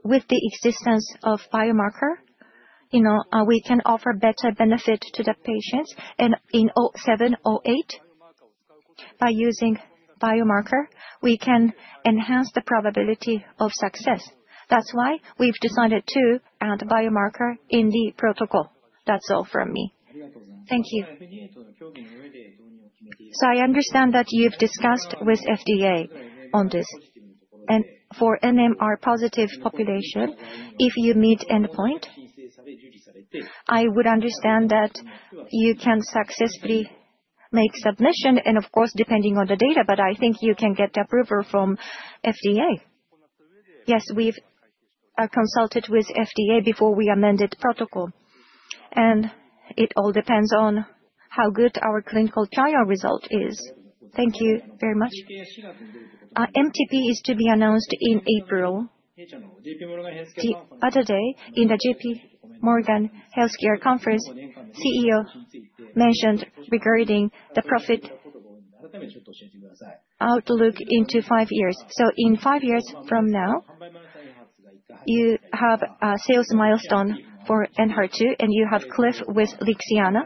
with the existence of biomarker, you know, we can offer better benefit to the patients. And in 07, 08, by using biomarker, we can enhance the probability of success. That's why we've decided to add biomarker in the protocol. That's all from me. Thank you. So I understand that you've discussed with FDA on this, and for NMR positive population, if you meet endpoint, I would understand that you can successfully make submission, and of course, depending on the data, but I think you can get the approval from FDA. Yes, we've consulted with FDA before we amended protocol, and it all depends on how good our clinical trial result is. Thank you very much. MTP is to be announced in April. The other day, in the J.P. Morgan Healthcare Conference, CEO mentioned regarding the profit outlook into 5 years. So in 5 years from now, you have a sales milestone for NR2, and you have cliff with Lixiana.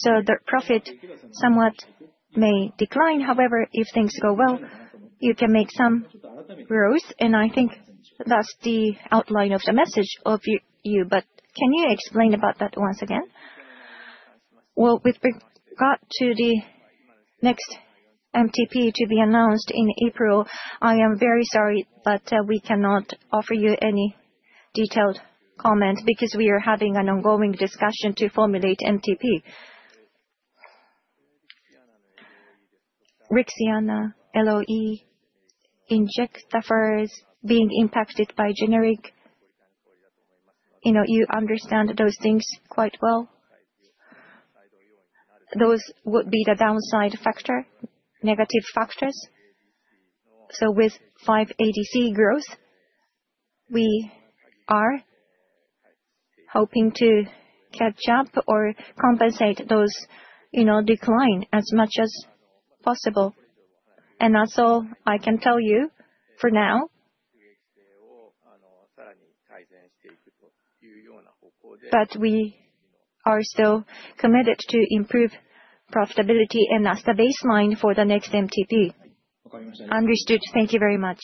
So the profit somewhat may decline. However, if things go well, you can make some growth, And I think that's the outline of the message of you, but can you explain about that once again? Well, with regard to the next MTP to be announced in April, I am very sorry, but we cannot offer you any detailed comment, because we are having an ongoing discussion to formulate MTP. Lixiana, LOE, Injectafer, being impacted by generic. You know, you understand those things quite well. Those would be the downside factor, negative factors. So with five ADC growth, we are hoping to catch up or compensate those, you know, decline as much as possible. And that's all I can tell you for now. But we are still committed to improve profitability, and that's the baseline for the next MTP. Understood. Thank you very much.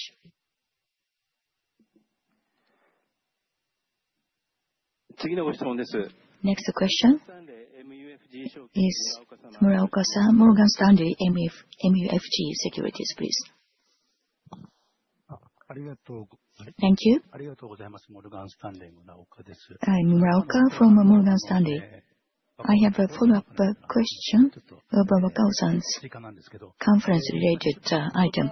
Next question is Muraoka-san, Morgan Stanley, MUFG Securities, please. Thank you. I'm Muraoka from Morgan Stanley. I have a follow-up question about Okuzawa's conference-related item.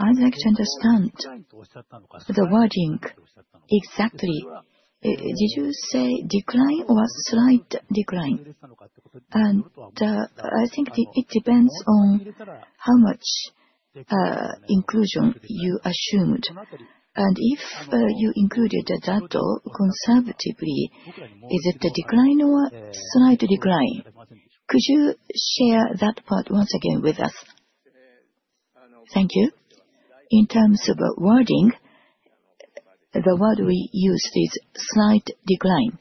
I'd like to understand the wording exactly. Did you say decline or slight decline? And, I think it depends on how much inclusion you assumed, and if you included the data conservatively, is it a decline or slight decline? Could you share that part once again with us? Thank you. In terms of wording, the word we use is slight decline.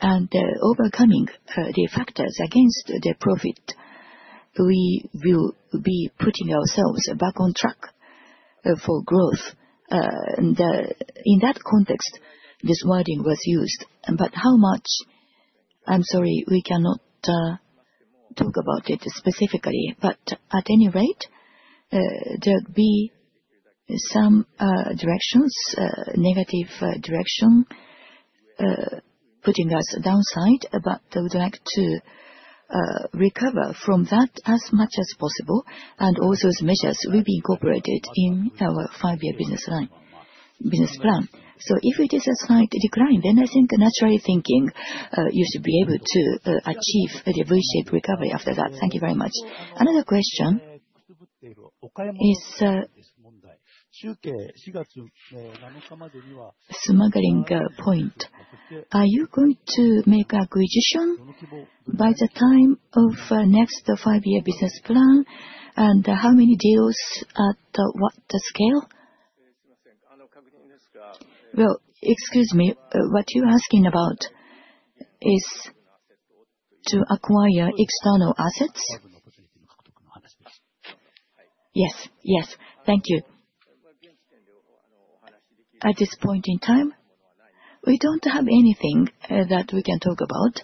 And overcoming the factors against the profit, we will be putting ourselves back on track for growth. In that context, this wording was used. But how much? I'm sorry, we cannot talk about it specifically, but at any rate, there'll be some directions negative direction putting us downside, but I would like to recover from that as much as possible, and all those measures will be incorporated in our five-year business line, business plan. So if it is a slight decline, then I think naturally thinking, you should be able to achieve a V-shaped recovery after that. Thank you very much. Another question is, M&A point. Are you going to make acquisition by the time of next five-year business plan? And, how many deals at, what the scale?... Well, excuse me, what you're asking about is to acquire external assets? Yes. Yes, thank you. At this point in time, we don't have anything that we can talk about.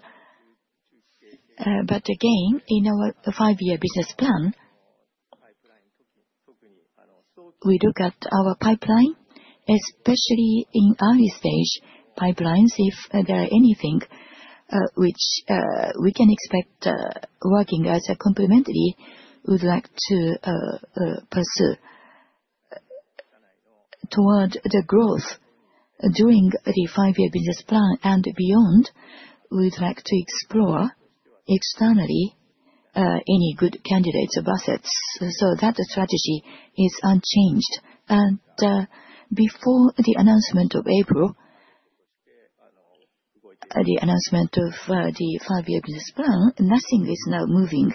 But again, in our five-year business plan, we look at our pipeline, especially in early stage pipelines, if there are anything which we can expect working as a complementary, we'd like to pursue. Toward the growth during the five-year business plan and beyond, we'd like to explore externally any good candidates of assets. So that strategy is unchanged. And before the announcement of April, the announcement of the five-year business plan, nothing is now moving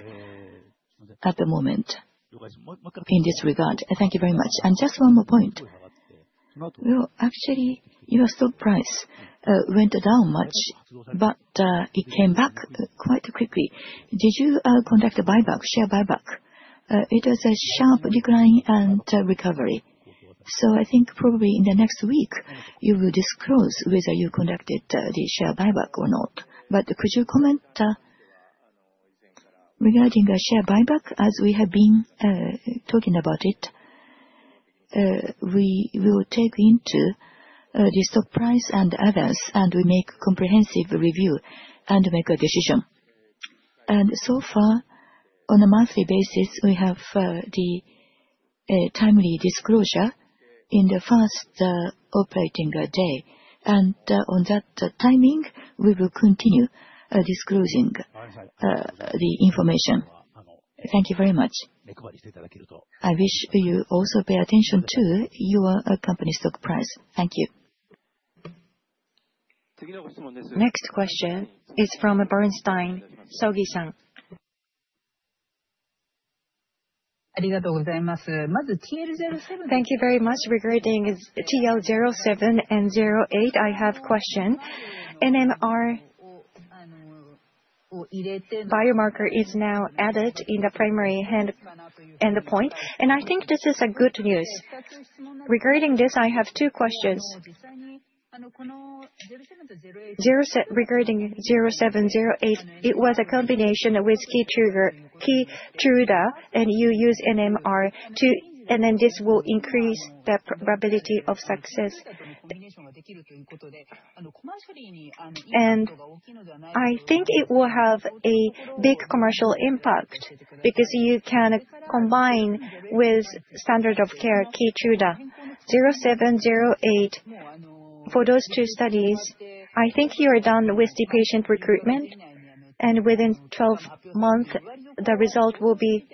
at the moment in this regard. Thank you very much. And just one more point: Well, actually, your stock price went down much, but it came back quite quickly. Did you conduct a buyback, share buyback? It was a sharp decline and recovery. So I think probably in the next week, you will disclose whether you conducted the share buyback or not. But could you comment? Regarding a share buyback, as we have been talking about it, We will take into the stock price and others, and we make comprehensive review and make a decision. So far, on a monthly basis, we have the timely disclosure in the first operating day. On that timing, we will continue disclosing the information. Thank you very much. I wish you also pay attention to your company stock price. Thank you. Next question is from Bernstein, Sogi-san. Thank you very much. Regarding TROPION-Lung07 and TROPION-Lung08, I have question. NMR biomarker is now added in the primary endpoint, and I think this is good news. Regarding this, I have two questions. Regarding TROPION-Lung07, TROPION-Lung08, it was a combination with KEYTRUDA, and you use NMR to... And then this will increase the probability of success. And I think it will have a big commercial impact, because you can combine with standard of care, KEYTRUDA. TROPION-Lung07, TROPION-Lung08, for those two studies, I think you are done with the patient recruitment, and within 12 months, the result will be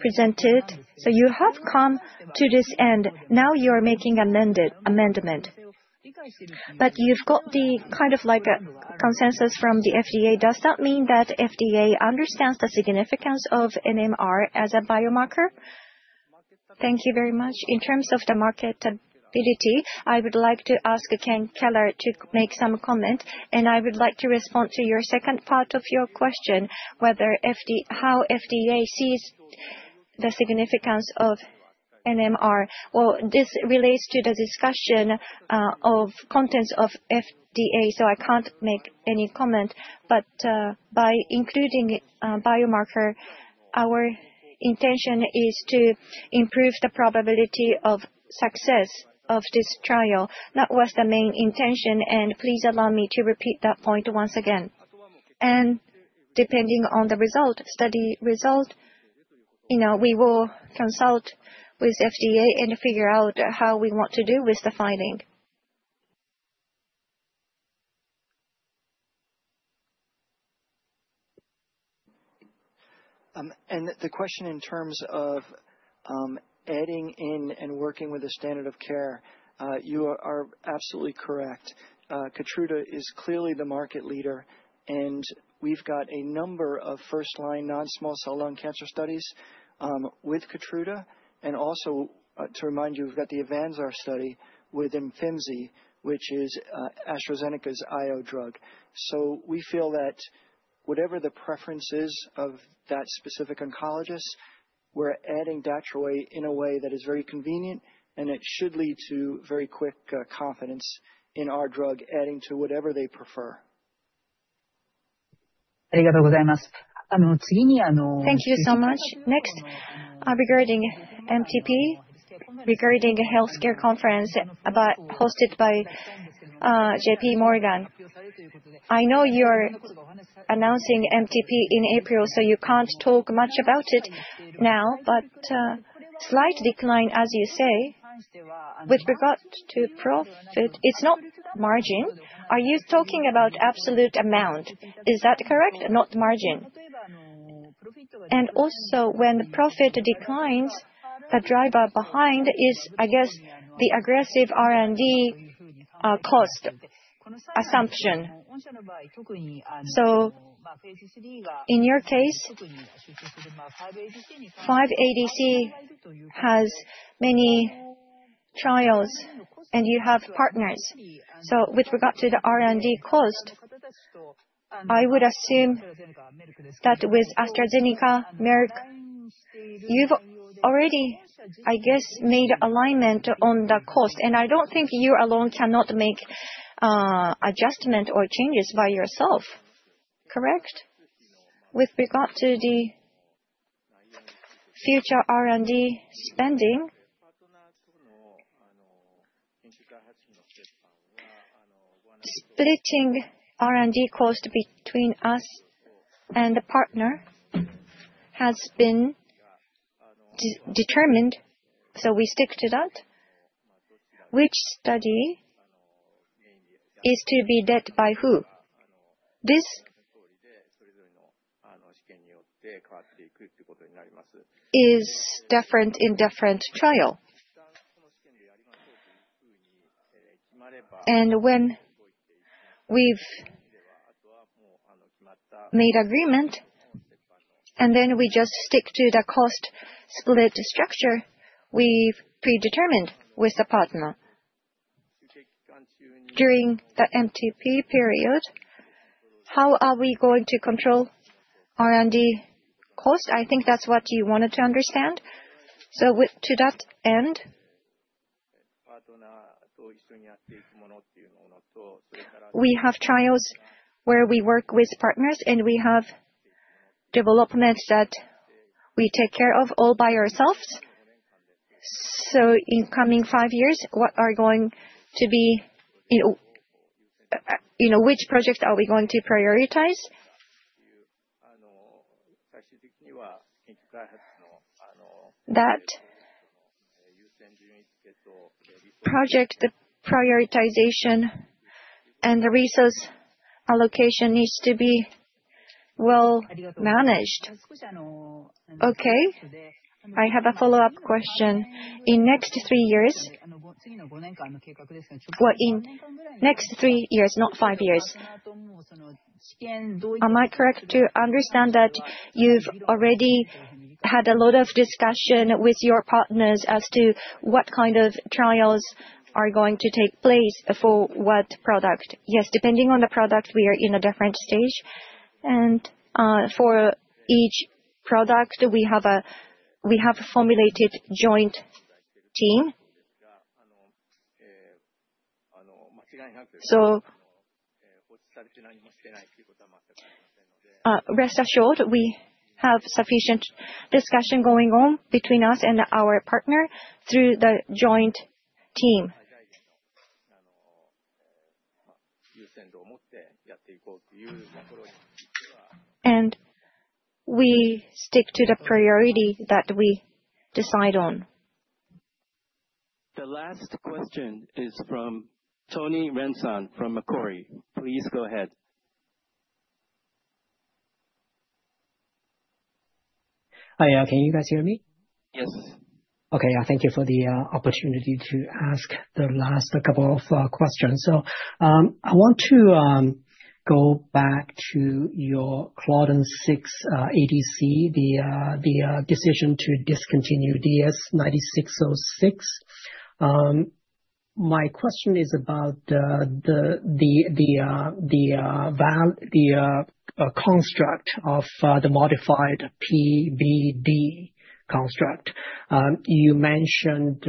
presented. So you have come to this end. Now you are making an addendum amendment, but you've got the kind of like a consensus from the FDA. Does that mean that FDA understands the significance of NMR as a biomarker? Thank you very much. In terms of the marketability, I would like to ask Ken Keller to make some comment, and I would like to respond to your second part of your question, whether FDA sees the significance of NMR. Well, this relates to the discussion of contents of FDA, so I can't make any comment. But by including biomarker, our intention is to improve the probability of success of this trial. That was the main intention, and please allow me to repeat that point once again. Depending on the result, study result, you know, we will consult with FDA and figure out how we want to do with the finding. And the question in terms of, adding in and working with the standard of care, you are, are absolutely correct. KEYTRUDA is clearly the market leader, and we've got a number of first-line non-small cell lung cancer studies with KEYTRUDA. And also, to remind you, we've got the AVANZARR study with Imfinzi, which is AstraZeneca's IO drug. So we feel that whatever the preferences of that specific oncologist, we're adding DATROWAY in a way that is very convenient, and it should lead to very quick confidence in our drug, adding to whatever they prefer. Thank you so much. Next, regarding MTP, regarding the healthcare conference about, hosted by, JPMorgan. I know you're announcing MTP in April, so you can't talk much about it now, but, slight decline, as you say, with regard to profit, it's not margin. Are you talking about absolute amount? Is that correct? Not margin. And also, when profit declines, the driver behind is, I guess, the aggressive R&D, cost assumption. So in your case?... Five ADC has many trials, and you have partners. So with regard to the R&D cost, I would assume that with AstraZeneca, Merck, you've already, I guess, made alignment on the cost. And I don't think you alone cannot make, adjustment or changes by yourself. Correct? With regard to the future R&D spending, splitting R&D cost between us and the partner has been determined, so we stick to that. Which study is to be led by who? This is different in different trial. And when we've made agreement, and then we just stick to the cost split structure we've predetermined with the partner. During the MTP period, how are we going to control R&D cost? I think that's what you wanted to understand. So with, to that end, we have trials where we work with partners, and we have developments that we take care of all by ourselves. So in coming five years, what are going to be, you know, you know, which projects are we going to prioritize? That project prioritization and the resource allocation needs to be well managed. Okay, I have a follow-up question. In next three years, well, in next three years, not five years, am I correct to understand that you've already had a lot of discussion with your partners as to what kind of trials are going to take place for what product? Yes. Depending on the product, we are in a different stage. For each product, we have formulated a joint team. So, rest assured, we have sufficient discussion going on between us and our partner through the joint team. We stick to the priority that we decide on. The last question is from Tony Ren from Macquarie. Please go ahead. Hi, can you guys hear me? Yes. Okay, thank you for the opportunity to ask the last couple of questions. So, I want to go back to your claudin-6 ADC, the decision to discontinue DS-9606. My question is about the construct of the modified PBD construct. You mentioned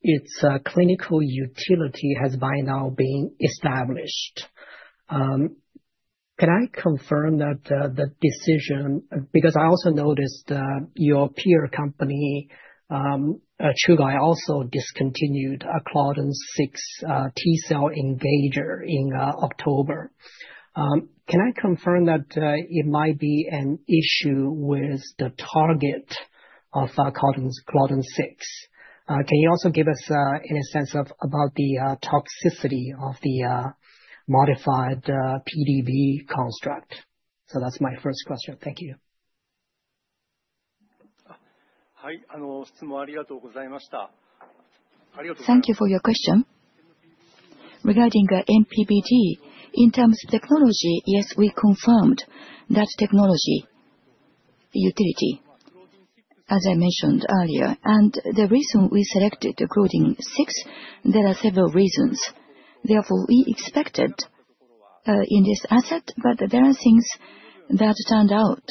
its clinical utility has by now been established. Can I confirm that the decision... Because I also noticed your peer company Chugai also discontinued a claudin-6 T-cell engager in October. Can I confirm that it might be an issue with the target of claudin-6? Can you also give us any sense of about the toxicity of the modified PBD construct? So that's my first question. Thank you. Thank you for your question. Regarding MPBD, in terms of technology, yes, we confirmed that technology utility, as I mentioned earlier. And the reason we selected claudin-6, there are several reasons. Therefore, we expected in this asset, but there are things that turned out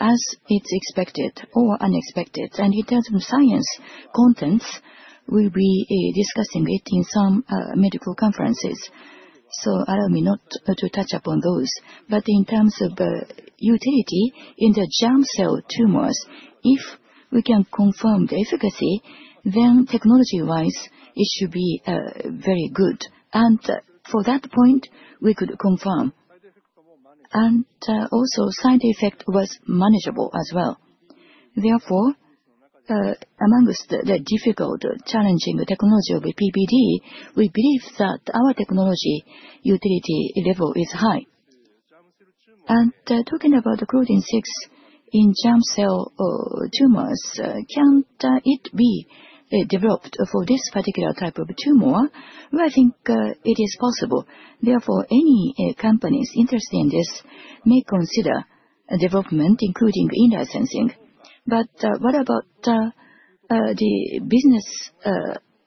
as it's expected or unexpected. And in terms of science contents, we'll be discussing it in some medical conferences, so allow me not to touch upon those. But in terms of utility in the germ cell tumors, if we can confirm the efficacy, then technology-wise, it should be very good. And for that point, we could confirm. And also side effect was manageable as well. Therefore, among the difficult challenging technology of MPBD, we believe that our technology utility level is high. Talking about the Claudin-6 in germ cell tumors, can it be developed for this particular type of tumor? Well, I think it is possible. Therefore, any companies interested in this may consider a development, including in-licensing. But, what about the business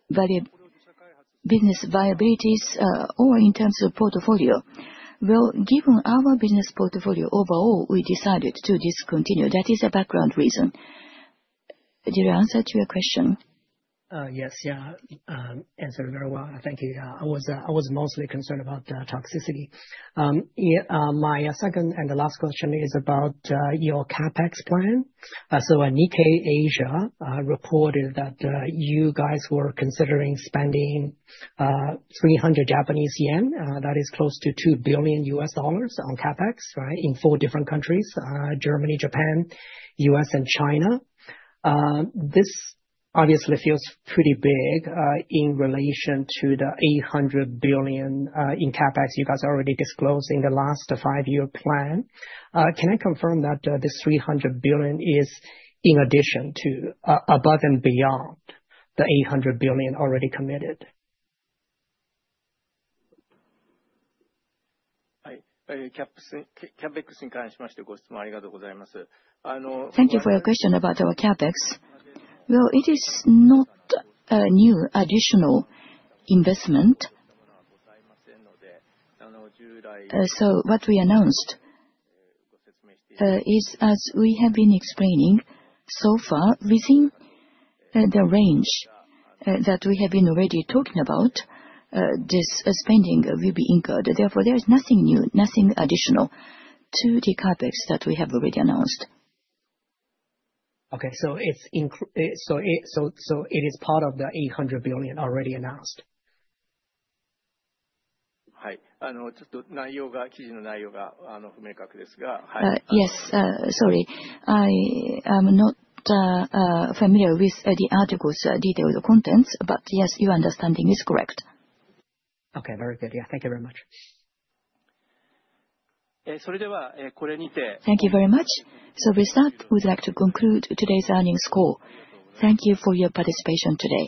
value, business viabilities, or in terms of portfolio? Well, given our business portfolio overall, we decided to discontinue. That is a background reason. Did I answer to your question? Yes. Yeah, answered very well. Thank you. Yeah, I was, I was mostly concerned about, toxicity. Yeah, my second and the last question is about, your CapEx plan. So in Nikkei Asia, reported that, you guys were considering spending, 300 billion Japanese yen, that is close to $2 billion on CapEx, right? In four different countries, Germany, Japan, U.S., and China. This obviously feels pretty big, in relation to the 800 billion in CapEx you guys already disclosed in the last five-year plan. Can I confirm that, this 300 billion is in addition to, above and beyond the 800 billion already committed? Thank you for your question about our CapEx. Well, it is not a new additional investment. So what we announced is, as we have been explaining so far, within the range that we have been already talking about, this spending will be incurred. Therefore, there is nothing new, nothing additional to the CapEx that we have already announced. Okay, so it is part of the 800 billion already announced? Yes, sorry. I am not familiar with the article's detailed contents, but yes, your understanding is correct. Okay, very good. Yeah, thank you very much. Thank you very much. So with that, we'd like to conclude today's earnings call. Thank you for your participation today.